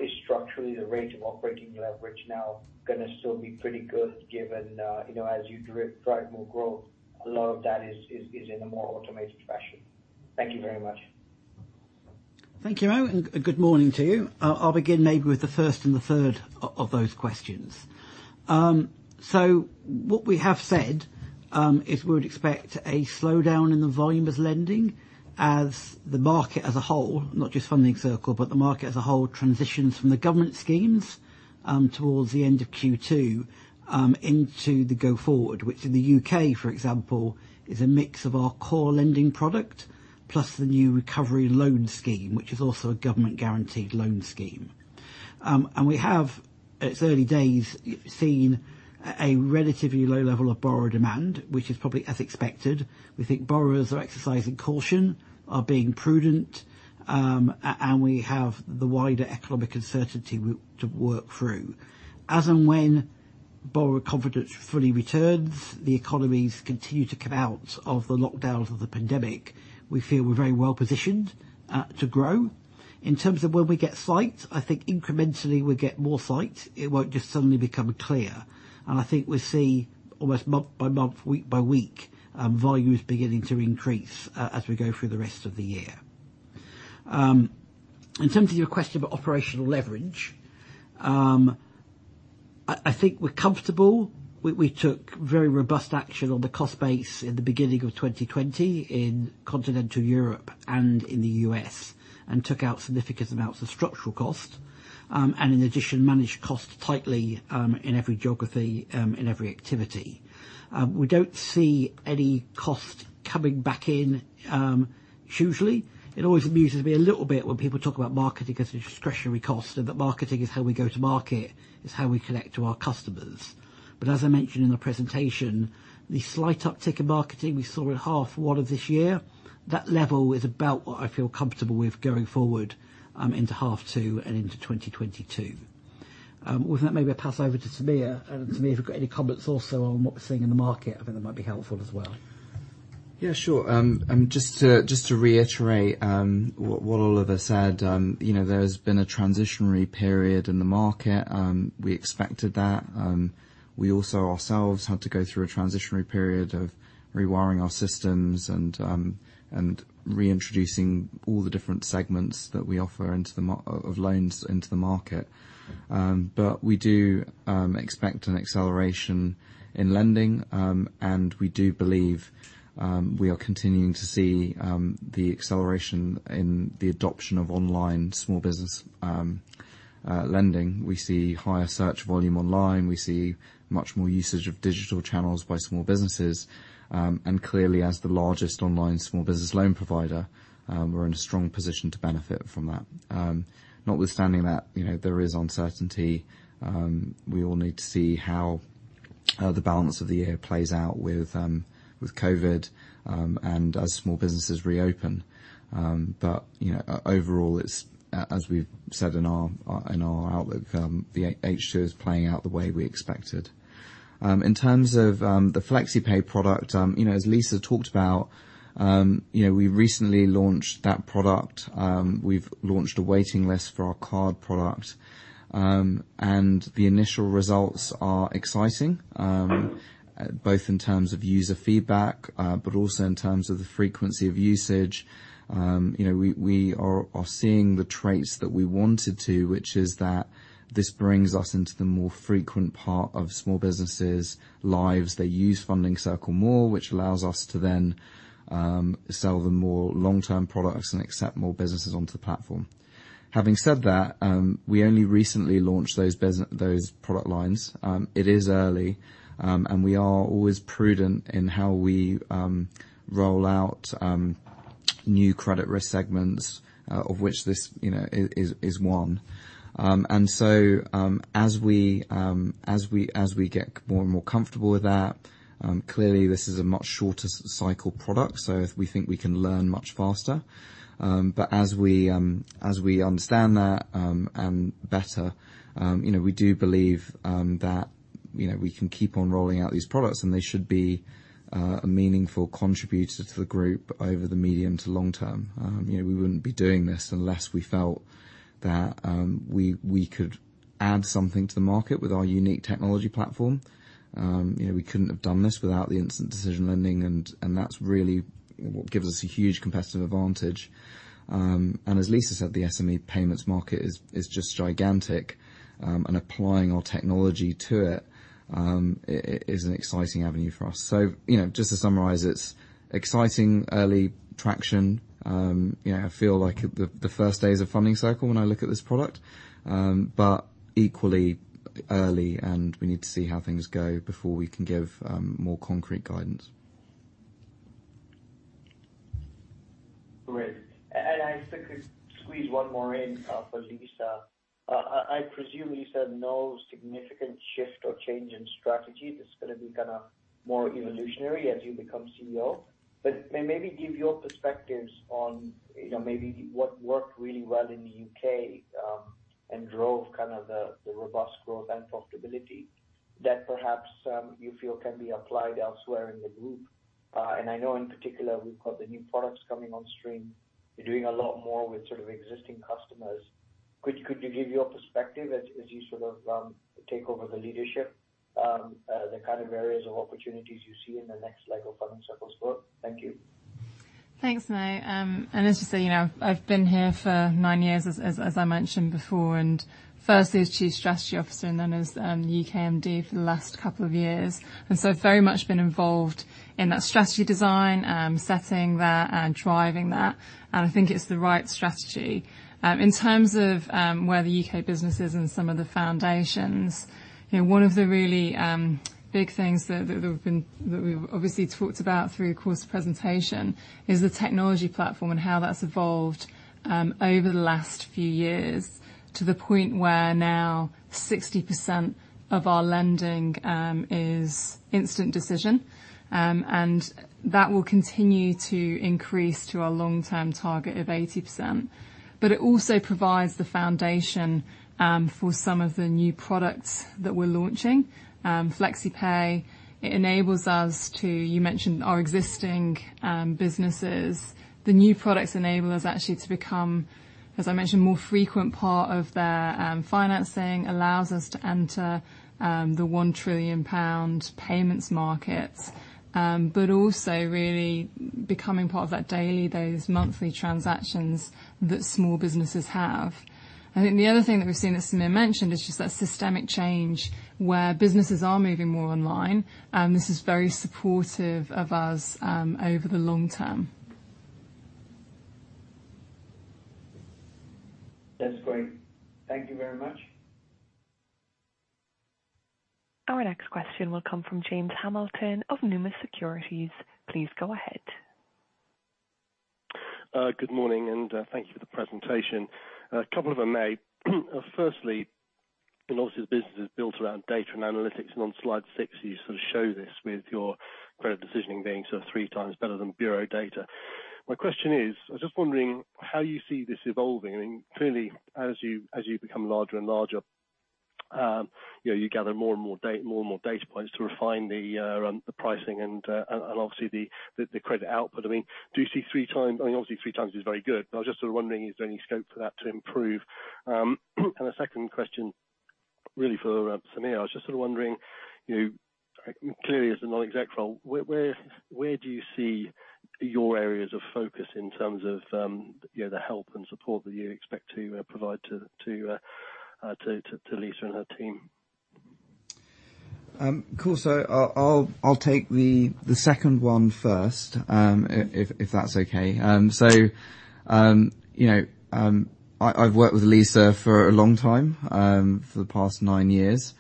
[SPEAKER 5] Is structurally the rate of operating leverage now going to still be pretty good, given that as you drive more growth, a lot of that is in a more automated fashion? Thank you very much.
[SPEAKER 3] Thank you, Mohammed, and good morning to you. I'll begin maybe with the first and the third of those questions. What we have said is we would expect a slowdown in the volumes of lending as the market as a whole, not just Funding Circle, but the market as a whole, transitions from the government schemes towards the end of Q2 into the go forward. Which in the U.K., for example, is a mix of our core lending product, plus the new Recovery Loan Scheme, which is also a government-guaranteed loan scheme. We have, it's early days, seen a relatively low level of borrower demand, which is probably as expected. We think borrowers are exercising caution and are being prudent, and we have the wider economic uncertainty to work through. As and when borrower confidence fully returns, the economies continue to come out of the lockdowns of the pandemic, we feel we're very well positioned to grow. In terms of when we get sight, I think incrementally we get more sight. It won't just suddenly become clear. I think we'll see almost month by month, week by week, volumes beginning to increase as we go through the rest of the year. In terms of your question about operational leverage, I think we're comfortable. We took very robust action on the cost base in the beginning of 2020 in continental Europe and in the U.S., took out significant amounts of structural cost. In addition, managed costs tightly in every geography, in every activity. We don't see any cost coming back in hugely. It always amuses me a little bit when people talk about marketing as a discretionary cost and that marketing is how we go to market. It's how we connect to our customers. As I mentioned in the presentation, the slight uptick in marketing we saw in H1 of this year, that level is about what I feel comfortable with going forward into H2 and into 2022. With that, maybe I'll pass over to Samir. Samir, if you've got any comments also on what we're seeing in the market, I think that might be helpful as well.
[SPEAKER 2] Yeah, sure. Just to reiterate what Oliver said, there's been a transitionary period in the market. We expected that. We also ourselves had to go through a transitionary period of rewiring our systems and reintroducing all the different segments that we offer of loans into the market. We do expect an acceleration in lending, and we do believe we are continuing to see the acceleration in the adoption of online small business lending. We see higher search volume online. We see much more usage of digital channels by small businesses. Clearly as the largest online small business loan provider, we're in a strong position to benefit from that. Notwithstanding that, there is uncertainty. We all need to see how the balance of the year plays out with COVID, and as small businesses reopen. Overall, as we've said in our outlook, H2 is playing out the way we expected. In terms of the FlexiPay product, as Lisa talked about, we recently launched that product. We've launched a waiting list for our card product. The initial results are exciting, both in terms of user feedback and in terms of the frequency of usage. We are seeing the traits that we wanted to, which is that this brings us into the more frequent part of small businesses' lives. They use Funding Circle more, which allows us to then sell them more long-term products and accept more businesses onto the platform. Having said that, we only recently launched those product lines. It is early, and we are always prudent in how we roll out new credit risk segments, of which this is one. As we get more and more comfortable with that, clearly this is a much shorter cycle product. We think we can learn much faster. As we understand that better, we do believe that we can keep on rolling out these products, and they should be a meaningful contributor to the group over the medium to long term. We wouldn't be doing this unless we felt that we could add something to the market with our unique technology platform. We couldn't have done this without the instant decision lending, and that's really what gives us a huge competitive advantage. As Lisa said, the SME payments market is just gigantic, and applying our technology to it is an exciting avenue for us. Just to summarize, it's exciting early traction. I feel like the first days of Funding Circle when I look at this product. Equally early, and we need to see how things go before we can give more concrete guidance.
[SPEAKER 5] Great. If I could squeeze one more in for Lisa. I presume, Lisa, no significant shift or change in strategy. This is going to be kind of more evolutionary as you become CEO. Maybe give your perspectives on maybe what worked really well in the U.K., and drove kind of the robust growth and profitability that perhaps you feel can be applied elsewhere in the group. I know in particular we've got the new products coming on stream. You're doing a lot more with sort of existing customers. Could you give your perspective as you sort of take over the leadership, the kind of areas or opportunities you see in the next leg of Funding Circle's work? Thank you.
[SPEAKER 4] Thanks, Mohammed. As you say, I've been here for nine years, as I mentioned before, firstly as chief strategy officer and then as U.K. MD for the last couple of years. I've very much been involved in that strategy design, setting that and driving that. I think it's the right strategy. In terms of where the U.K. business is and some of the foundations, one of the really big things that we've obviously talked about through the course of the presentation is the technology platform and how that's evolved over the last few years to the point where now 60% of our lending is instant decision, and that will continue to increase to our long-term target of 80%. It also provides the foundation for some of the new products that we're launching. FlexiPay, you mentioned our existing businesses. The new products enable us actually to become, as I mentioned, a more frequent part of their financing, allow us to enter the 1 trillion pound payments market, and also really become part of that daily, those monthly transactions that small businesses have. I think the other thing that we've seen that Samir mentioned is just that systemic change where businesses are moving more online. This is very supportive of us over the long term.
[SPEAKER 5] That's great. Thank you very much.
[SPEAKER 1] Our next question will come from James Hamilton of Numis Securities. Please go ahead.
[SPEAKER 6] Good morning. Thank you for the presentation. A couple if I may. Firstly, obviously the business is built around data and analytics, and on slide six you show this with your credit decisioning being three times better than bureau data. My question is, I was just wondering how you see this evolving. I mean, clearly, as you become larger and larger, you gather more and more data points to refine the pricing and obviously the credit output. I mean, do you see three times? I mean, obviously three times is very good, but I was just wondering, is there any scope for that to improve? A second question, really for Samir. I was just sort of wondering, clearly as a non-exec role, where do you see your areas of focus in terms of the help and support that you expect to provide to Lisa and her team?
[SPEAKER 2] Cool. I'll take the second one first, if that's okay. I've worked with Lisa for a long time, for the past nine years.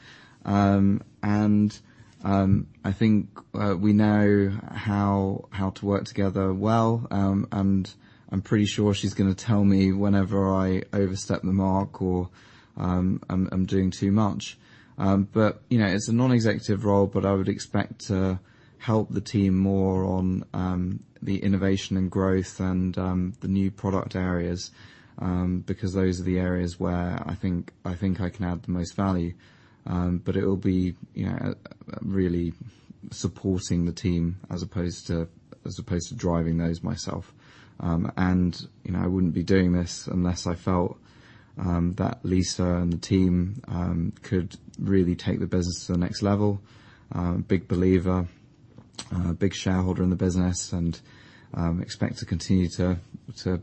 [SPEAKER 2] I think we know how to work together well, and I'm pretty sure she's going to tell me whenever I overstep the mark or I'm doing too much. It's a non-executive role, but I would expect to help the team more on the innovation and growth and the new product areas, because those are the areas where I think I can add the most value. It will be really supporting the team as opposed to driving those myself. I wouldn't be doing this unless I felt that Lisa and the team could really take the business to the next level. Big believer, big shareholder in the business, and expect to continue to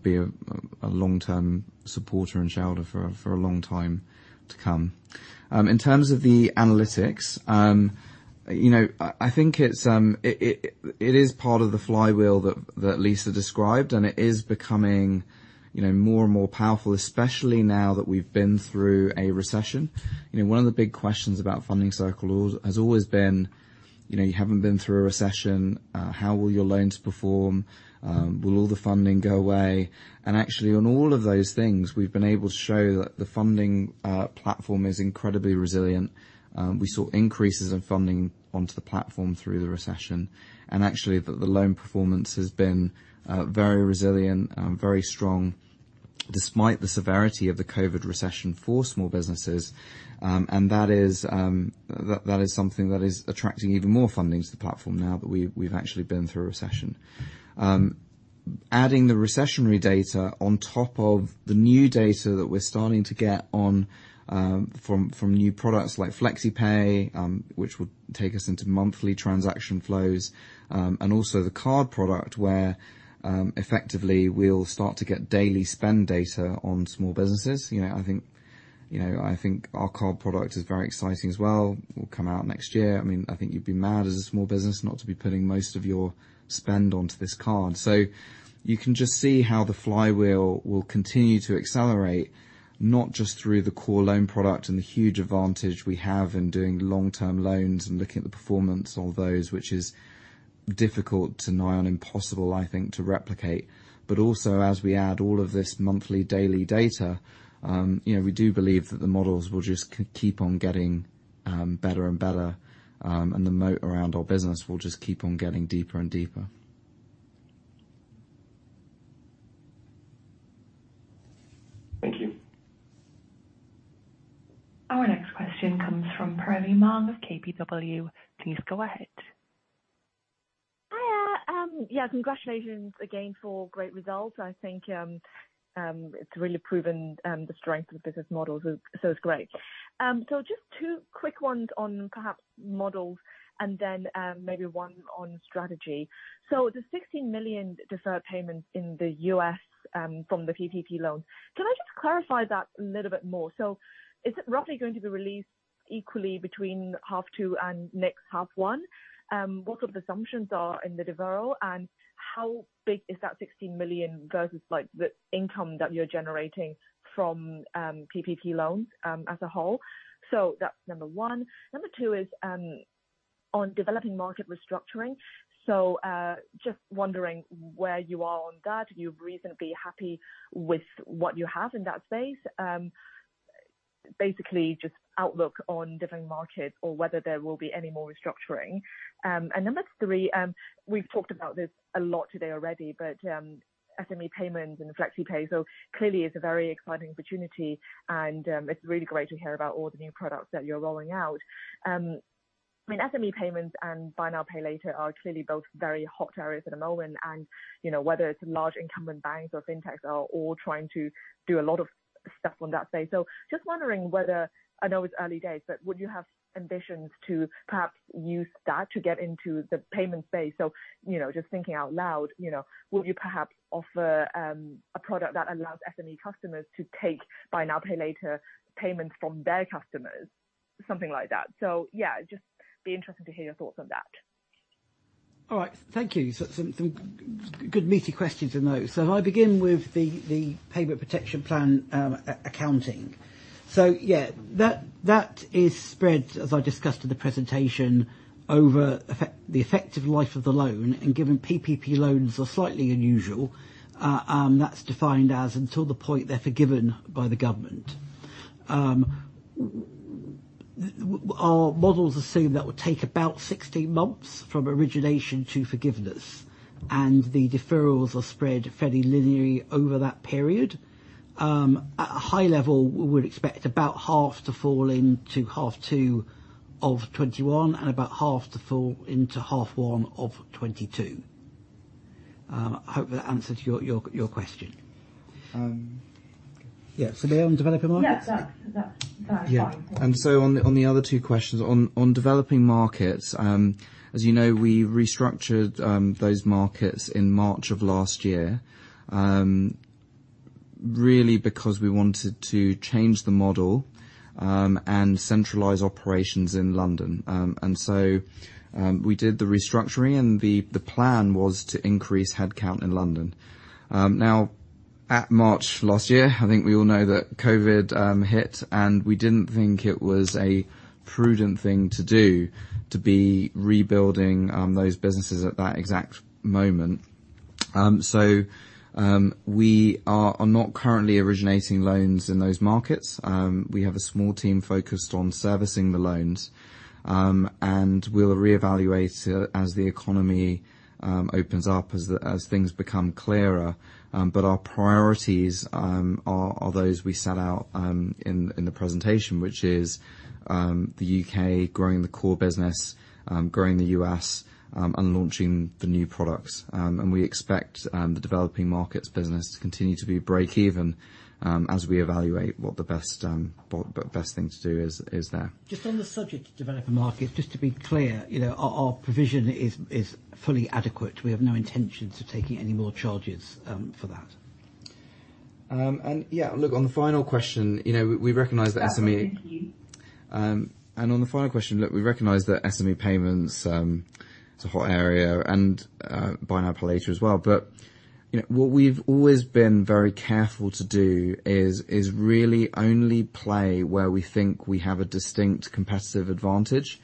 [SPEAKER 2] be a long-term supporter and shareholder for a long time to come. In terms of the analytics, I think it is part of the flywheel that Lisa described, and it is becoming more and more powerful, especially now that we've been through a recession. One of the big questions about Funding Circle has always been, you haven't been through a recession, how will your loans perform? Will all the funding go away? Actually on all of those things, we've been able to show that the funding platform is incredibly resilient. We saw increases in funding onto the platform through the recession. Actually, the loan performance has been very resilient, very strong, despite the severity of the COVID recession for small businesses. That is something that is attracting even more funding to the platform now that we've actually been through a recession. Adding the recessionary data on top of the new data that we're starting to get on new products like FlexiPay, which will take us into monthly transaction flows, and also the card product, where effectively we'll start to get daily spend data on small businesses. I think our card product is very exciting as well. It will come out next year. I mean, I think you'd be mad as a small business not to be putting most of your spend onto this card. You can just see how the flywheel will continue to accelerate, not just through the core loan product and the huge advantage we have in doing long-term loans and looking at the performance of those, which is difficult to nigh on impossible, I think, to replicate. Also, as we add all of this monthly, daily data, we do believe that the models will just keep on getting better and better, and the moat around our business will just keep on getting deeper and deeper.
[SPEAKER 1] Our next question comes from Perlie Mong of KBW. Please go ahead.
[SPEAKER 7] Hi. Yeah, congratulations again for great results. I think it's really proven the strength of the business model, so it's great. Just two quick ones on perhaps models and then maybe one on strategy. The 16 million deferred payments in the U.S. from the PPP loan. Can I just clarify that a little bit more? Is it roughly going to be released equally between H2 and next H1? What sort of assumptions are in the deferral, and how big is that 16 million versus the income that you're generating from PPP loans as a whole? That's number one. Number two is on developing market restructuring. Just wondering where you are on that. Are you reasonably happy with what you have in that space? Basically, just outlook on different markets or whether there will be any more restructuring. Number three, we've talked about this a lot today already, but SME payments and FlexiPay. Clearly it's a very exciting opportunity, and it's really great to hear about all the new products that you're rolling out. I mean, SME payments and buy now, pay later are clearly both very hot areas at the moment, and whether it's large incumbent banks or fintechs, they are all trying to do a lot of stuff in that space. Just wondering whether, I know it's early days, but would you have ambitions to perhaps use that to get into the payment space? Just thinking out loud, will you perhaps offer a product that allows SME customers to take buy now, pay later payments from their customers? Something like that. Yeah, just be interested to hear your thoughts on that.
[SPEAKER 3] All right. Thank you. Some good meaty questions in those. If I begin with the Paycheck Protection Program accounting. Yeah, that is spread, as I discussed in the presentation, over the effective life of the loan. Given PPP loans are slightly unusual, that's defined as until the point they're forgiven by the government. Our models assume that it will take about 16 months from origination to forgiveness, and the deferrals are spread fairly linearly over that period. At a high level, we would expect about half to fall into H2 2021 and about half to fall into H1 2022. I hope that answers your question.
[SPEAKER 2] Yeah. On developing markets?
[SPEAKER 7] Yeah. That is fine. Thank you.
[SPEAKER 2] On the other two questions. On developing markets, as you know, we restructured those markets in March of last year, really because we wanted to change the model and centralize operations in London. We did the restructuring, and the plan was to increase headcount in London. Now in March last year, I think we all know that COVID hit, and we didn't think it was a prudent thing to do to be rebuilding those businesses at that exact moment. We are not currently originating loans in those markets. We have a small team focused on servicing the loans. We'll reevaluate as the economy opens up, as things become clearer. Our priorities are those we set out in the presentation, which is the U.K. growing the core business, growing the U.S., and launching the new products. We expect the developing markets business to continue to be breakeven as we evaluate what the best thing to do is there.
[SPEAKER 3] Just on the subject of developing markets, just to be clear, our provision is fully adequate. We have no intentions of taking any more charges for that.
[SPEAKER 2] Yeah, look, on the final question, we recognize that SME-
[SPEAKER 7] That was it. Thank you.
[SPEAKER 2] On the final question, look, we recognize that SME payments are a hot area and buy now, pay later as well. What we've always been very careful to do is really only play where we think we have a distinct competitive advantage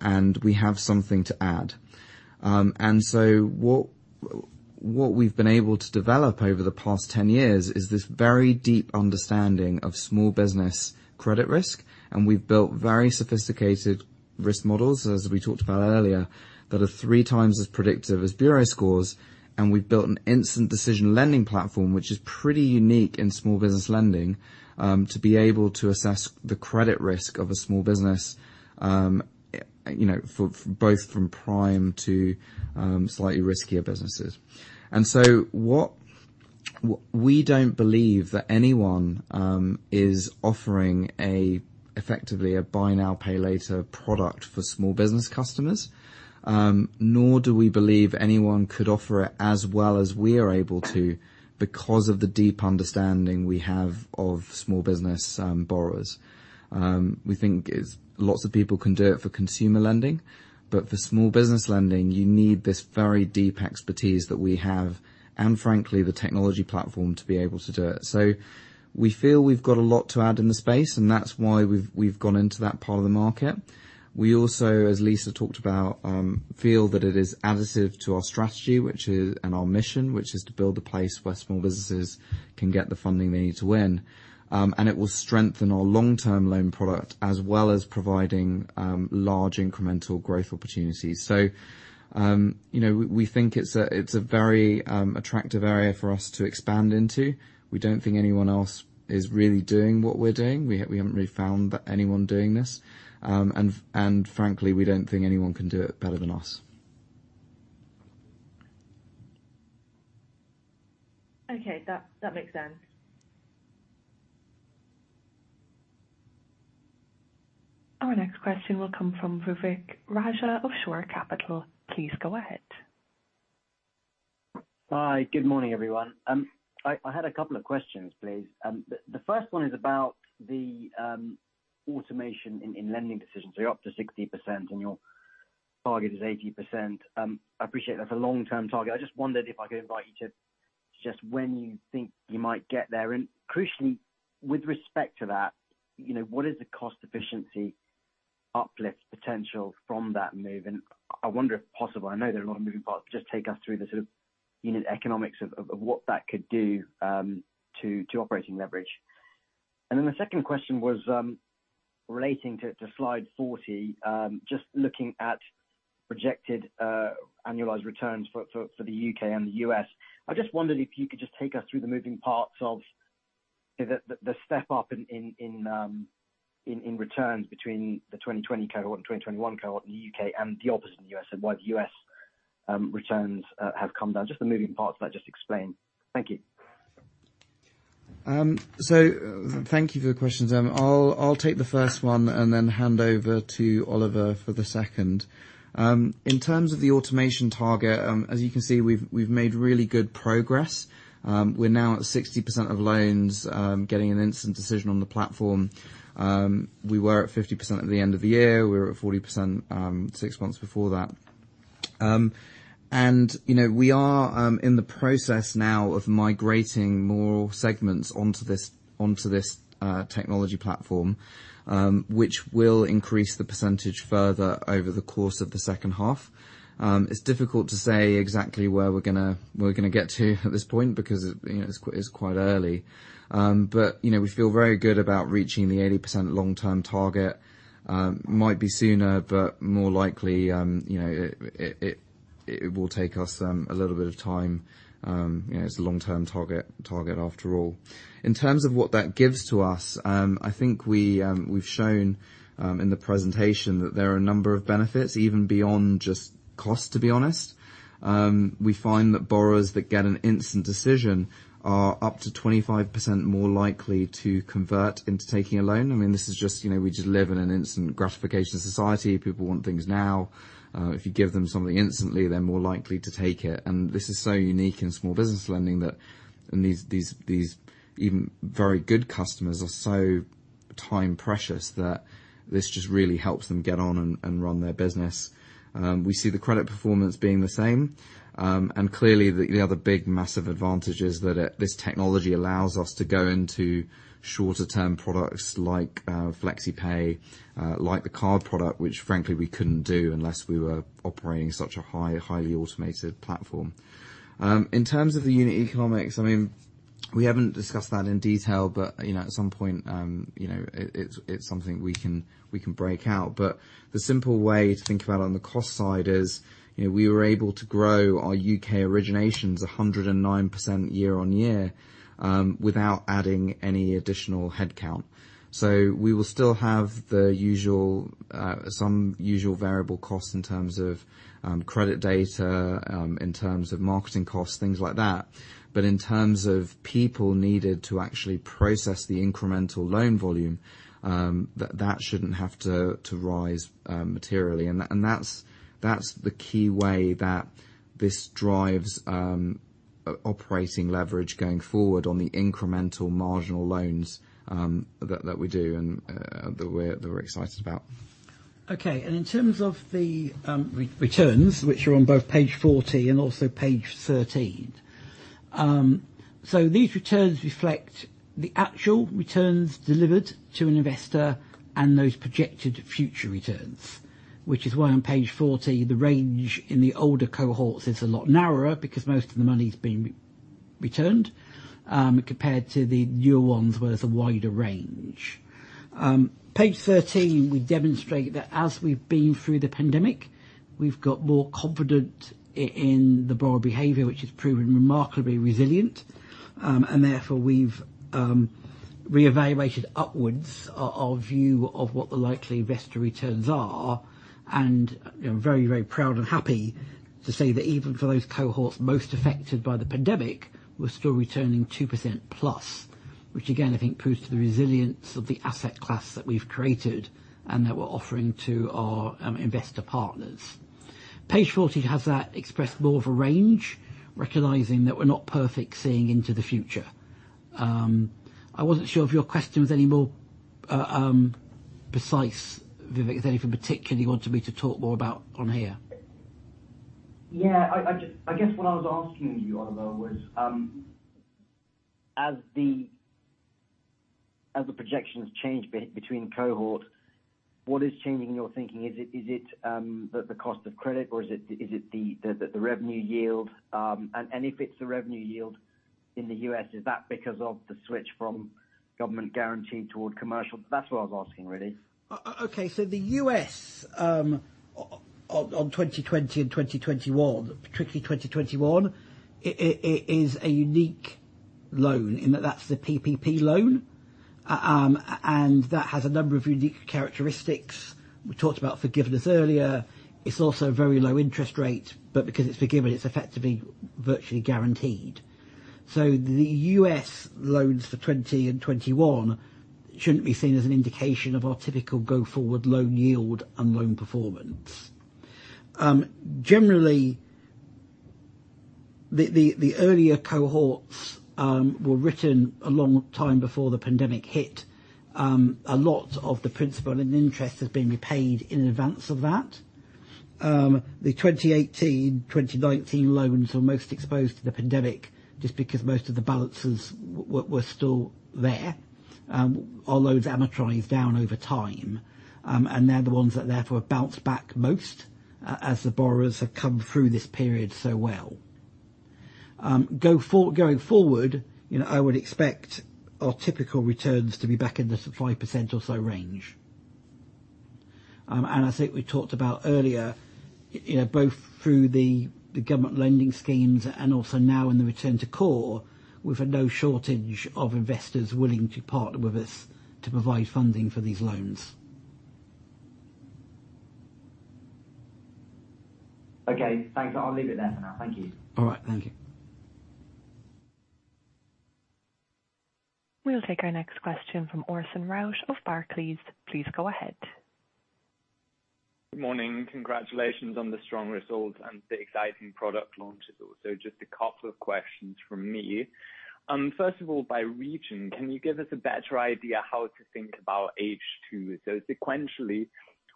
[SPEAKER 2] and we have something to add. What we've been able to develop over the past 10 years is this very deep understanding of small business credit risk. We've built very sophisticated risk models, as we talked about earlier, that are three times as predictive as bureau scores. We've built an instant decision lending platform, which is pretty unique in small business lending, to be able to assess the credit risk of a small business, both from prime to slightly riskier businesses. We don't believe that anyone is effectively offering a buy now, pay later product for small business customers. Nor do we believe anyone could offer it as well as we are able to because of the deep understanding we have of small business borrowers. We think lots of people can do it for consumer lending. For small business lending, you need this very deep expertise that we have, and frankly, the technology platform to be able to do it. We feel we've got a lot to add in the space, and that's why we've gone into that part of the market. We also, as Lisa talked about, feel that it is additive to our strategy and our mission, which is to build a place where small businesses can get the funding they need to win. It will strengthen our long-term loan product as well as provide large incremental growth opportunities. We think it's a very attractive area for us to expand into. We don't think anyone else is really doing what we're doing. We haven't really found anyone doing this. Frankly, we don't think anyone can do it better than us.
[SPEAKER 7] Okay. That makes sense.
[SPEAKER 1] Our next question will come from Vivek Raja of Shore Capital. Please go ahead.
[SPEAKER 8] Hi. Good morning, everyone. I had a couple of questions, please. The first one is about the automation in lending decisions. You're up to 60%, and your target is 80%. I appreciate that's a long-term target. I just wondered if I could invite you to just when you think you might get there, and crucially with respect to that, what is the cost efficiency uplift potential from that move? I wonder if it's possible, I know there are a lot of moving parts, just take us through the sort of unit economics of what that could do to operating leverage. The second question was relating to slide 40, just looking at projected annualized returns for the U.K. and the U.S. I just wondered if you could take us through the moving parts of the step-up in returns between the 2020 cohort and 2021 cohort in the U.K. and the opposite in the U.S., and why the U.S. returns have come down. Just the moving parts that just explain. Thank you.
[SPEAKER 2] Thank you for the questions. I'll take the first one and then hand over to Oliver for the second. In terms of the automation target, as you can see, we've made really good progress. We're now at 60% of loans, getting an instant decision on the platform. We were at 50% at the end of the year. We were at 40% six months before that. We are in the process now of migrating more segments onto this technology platform, which will increase the percentage further over the course of H2. It's difficult to say exactly where we're going to get to at this point because it's quite early. We feel very good about reaching the 80% long-term target. Might be sooner, but more likely it will take us a little bit of time. It's a long-term target after all. In terms of what that gives to us, I think we've shown in the presentation that there are a number of benefits even beyond just cost, to be honest. We find that borrowers that get an instant decision are up to 25% more likely to convert into taking a loan. I mean, we just live in an instant gratification society. People want things now. If you give them something instantly, they're more likely to take it. This is so unique in small business lending that even these very good customers are so time precious that this just really helps them get on and run their business. We see the credit performance being the same. Clearly the other big massive advantage is that this technology allows us to go into shorter-term products like FlexiPay, like the card product, which frankly we couldn't do unless we were operating such a highly automated platform. In terms of the unit economics, I mean, we haven't discussed that in detail, but at some point it's something we can break out. The simple way to think about it on the cost side is we were able to grow our U.K. originations 109% year-on-year without adding any additional headcount. We will still have some usual variable costs in terms of credit data and in terms of marketing costs, things like that. In terms of people needed to actually process the incremental loan volume, that shouldn't have to rise materially. That's the key way that this drives operating leverage going forward on the incremental marginal loans that we do and that we're excited about.
[SPEAKER 3] Okay. In terms of the returns, which are on both page 40 and also page 13. These returns reflect the actual returns delivered to an investor and those projected future returns, which is why on page 40, the range in the older cohorts is a lot narrower because most of the money's been returned compared to the newer ones where there's a wider range. Page 13, we demonstrate that as we've been through the pandemic, we've gotten more confident in the borrower behavior, which has proven remarkably resilient. Therefore, we've reevaluated upwards our view of what the likely investor returns are, and very proud and happy to say that even for those cohorts most affected by the pandemic, we're still returning +2%. Which, again, I think proves the resilience of the asset class that we've created and that we're offering to our investor partners. Page 40 has that expressed more of a range, recognizing that we're not perfect at seeing into the future. I wasn't sure if your question was any more precise, Vivek. Is there anything particular you wanted me to talk more about on here?
[SPEAKER 8] I guess what I was asking you, Oliver, was, as the projections change between cohorts, what is changing in your thinking? Is it the cost of credit or is it the revenue yield? If it's the revenue yield in the U.S., is that because of the switch from government guaranteed toward commercial? That's what I was asking, really.
[SPEAKER 3] The U.S., in 2020 and 2021, particularly 2021, is a unique loan in that that's the PPP loan. That has a number of unique characteristics. We talked about forgiveness earlier. It's also a very low interest rate, but because it's forgiven, it's effectively virtually guaranteed. The U.S. loans for 2020 and 2021 shouldn't be seen as an indication of our typical go-forward loan yield and loan performance. Generally, the earlier cohorts were written a long time before the pandemic hit. A lot of the principal and interest has been repaid in advance of that. The 2018, 2019 loans were most exposed to the pandemic just because most of the balances were still there. Our loans amortize down over time, and they're the ones that therefore bounce back most as the borrowers have come through this period so well. Going forward, I would expect our typical returns to be back in the 5% or so range. I think we talked about earlier, both through the government lending schemes and also now in the return to core, we've had no shortage of investors willing to partner with us to provide funding for these loans.
[SPEAKER 8] Okay. Thanks. I'll leave it there for now. Thank you.
[SPEAKER 3] All right. Thank you.
[SPEAKER 1] We'll take our next question from Orson Rout of Barclays. Please go ahead.
[SPEAKER 9] Good morning. Congratulations on the strong results and the exciting product launches also. Just a couple of questions from me. First of all, by region, can you give us a better idea of how to think about H2? Sequentially,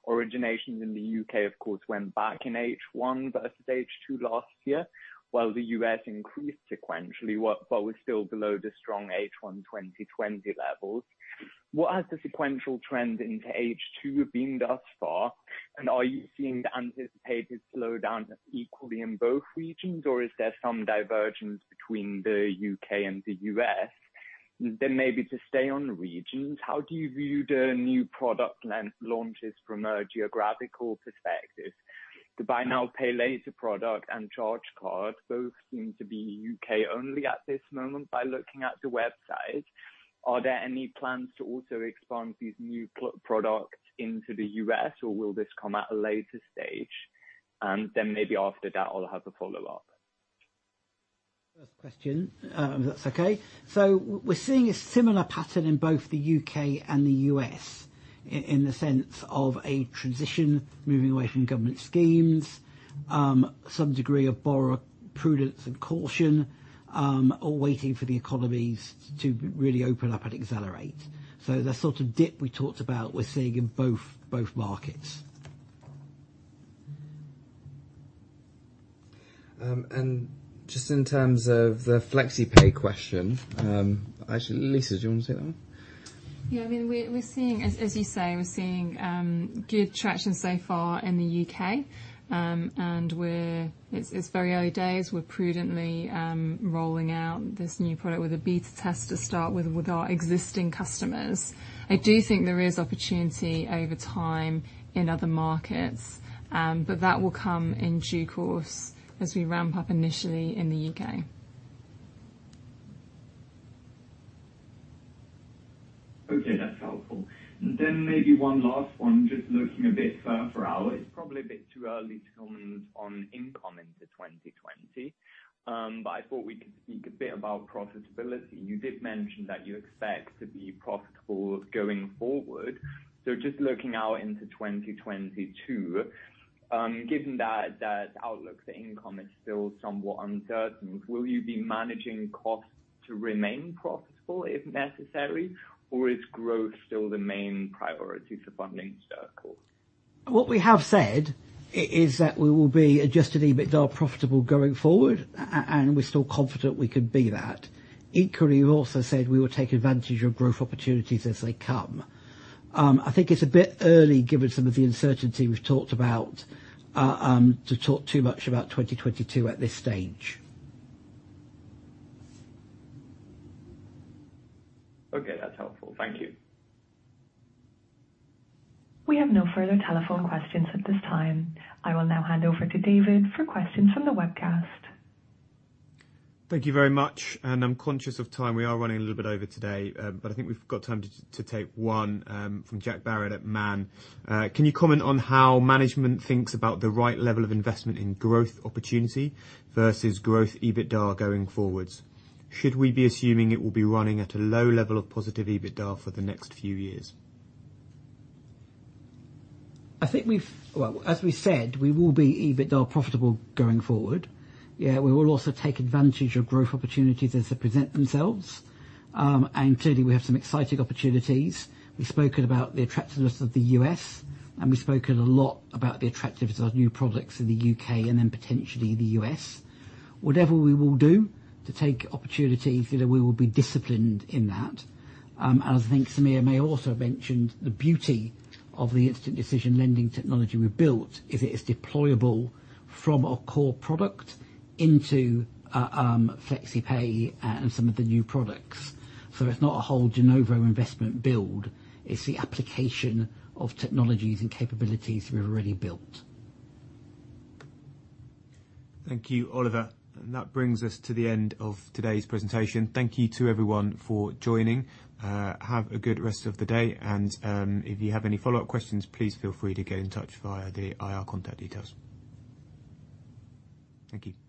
[SPEAKER 9] originations in the U.K., of course, went back in H1 versus H2 last year, while the U.S. increased sequentially but was still below the strong H1 2020 levels. What has the sequential trend into H2 been thus far? Are you seeing the anticipated slowdown equally in both regions, or is there some divergence between the U.K. and the U.S.? Maybe to stay on regions, how do you view the new product launches from a geographical perspective? The buy now, pay later product and charge card both seem to be U.K.-only at this moment by looking at the website. Are there any plans to also expand these new products into the U.S., or will this come at a later stage? Maybe after that, I'll have a follow-up.
[SPEAKER 3] First question, if that's okay. We're seeing a similar pattern in both the U.K. and the U.S. in the sense of a transition moving away from government schemes, some degree of borrower prudence and caution, or waiting for the economies to really open up and accelerate. The sort of dip we talked about, we're seeing in both markets.
[SPEAKER 2] Just in terms of the FlexiPay question, actually, Lisa, do you want to take that one?
[SPEAKER 4] As you say, we're seeing good traction so far in the U.K. It's very early days. We're prudently rolling out this new product with a beta test to start with our existing customers. I do think there is opportunity over time in other markets, but that will come in due course as we ramp up initially in the U.K.
[SPEAKER 9] Okay. That's helpful. Maybe one last one, just looking a bit further out. It's probably a bit too early to comment on income into 2020. I thought we could speak a bit about profitability. You did mention that you expect to be profitable going forward. Just looking out into 2022, given that outlook, the income is still somewhat uncertain. Will you be managing costs to remain profitable if necessary, or is growth still the main priority for Funding Circle?
[SPEAKER 3] What we have said is that we will be adjusted EBITDA profitable going forward. We're still confident we could be that. Equally, we also said we will take advantage of growth opportunities as they come. I think it's a bit early, given some of the uncertainty we've talked about, to talk too much about 2022 at this stage.
[SPEAKER 9] Okay. That's helpful. Thank you.
[SPEAKER 1] We have no further telephone questions at this time. I will now hand over to David for questions from the webcast.
[SPEAKER 10] Thank you very much. I'm conscious of time. We are running a little bit over today. I think we've got time to take one from Jack Barrat at Man. Can you comment on how management thinks about the right level of investment in growth opportunity versus growth EBITDA going forward? Should we be assuming it will be running at a low level of positive EBITDA for the next few years?
[SPEAKER 3] As we said, we will be EBITDA profitable going forward. Yeah, we will also take advantage of growth opportunities as they present themselves. Clearly we have some exciting opportunities. We've spoken about the attractiveness of the U.S., and we've spoken a lot about the attractiveness of new products in the U.K. and then potentially the U.S. Whatever we will do to take opportunities, we will be disciplined in that. As I think Samir may also have mentioned, the beauty of the instant decision lending technology we've built is that it is deployable from a core product into FlexiPay and some of the new products. It's not a whole de novo investment build. It's the application of technologies and capabilities we've already built.
[SPEAKER 10] Thank you, Oliver. That brings us to the end of today's presentation. Thank you to everyone for joining. Have a good rest of the day. If you have any follow-up questions, please feel free to get in touch via the IR contact details. Thank you.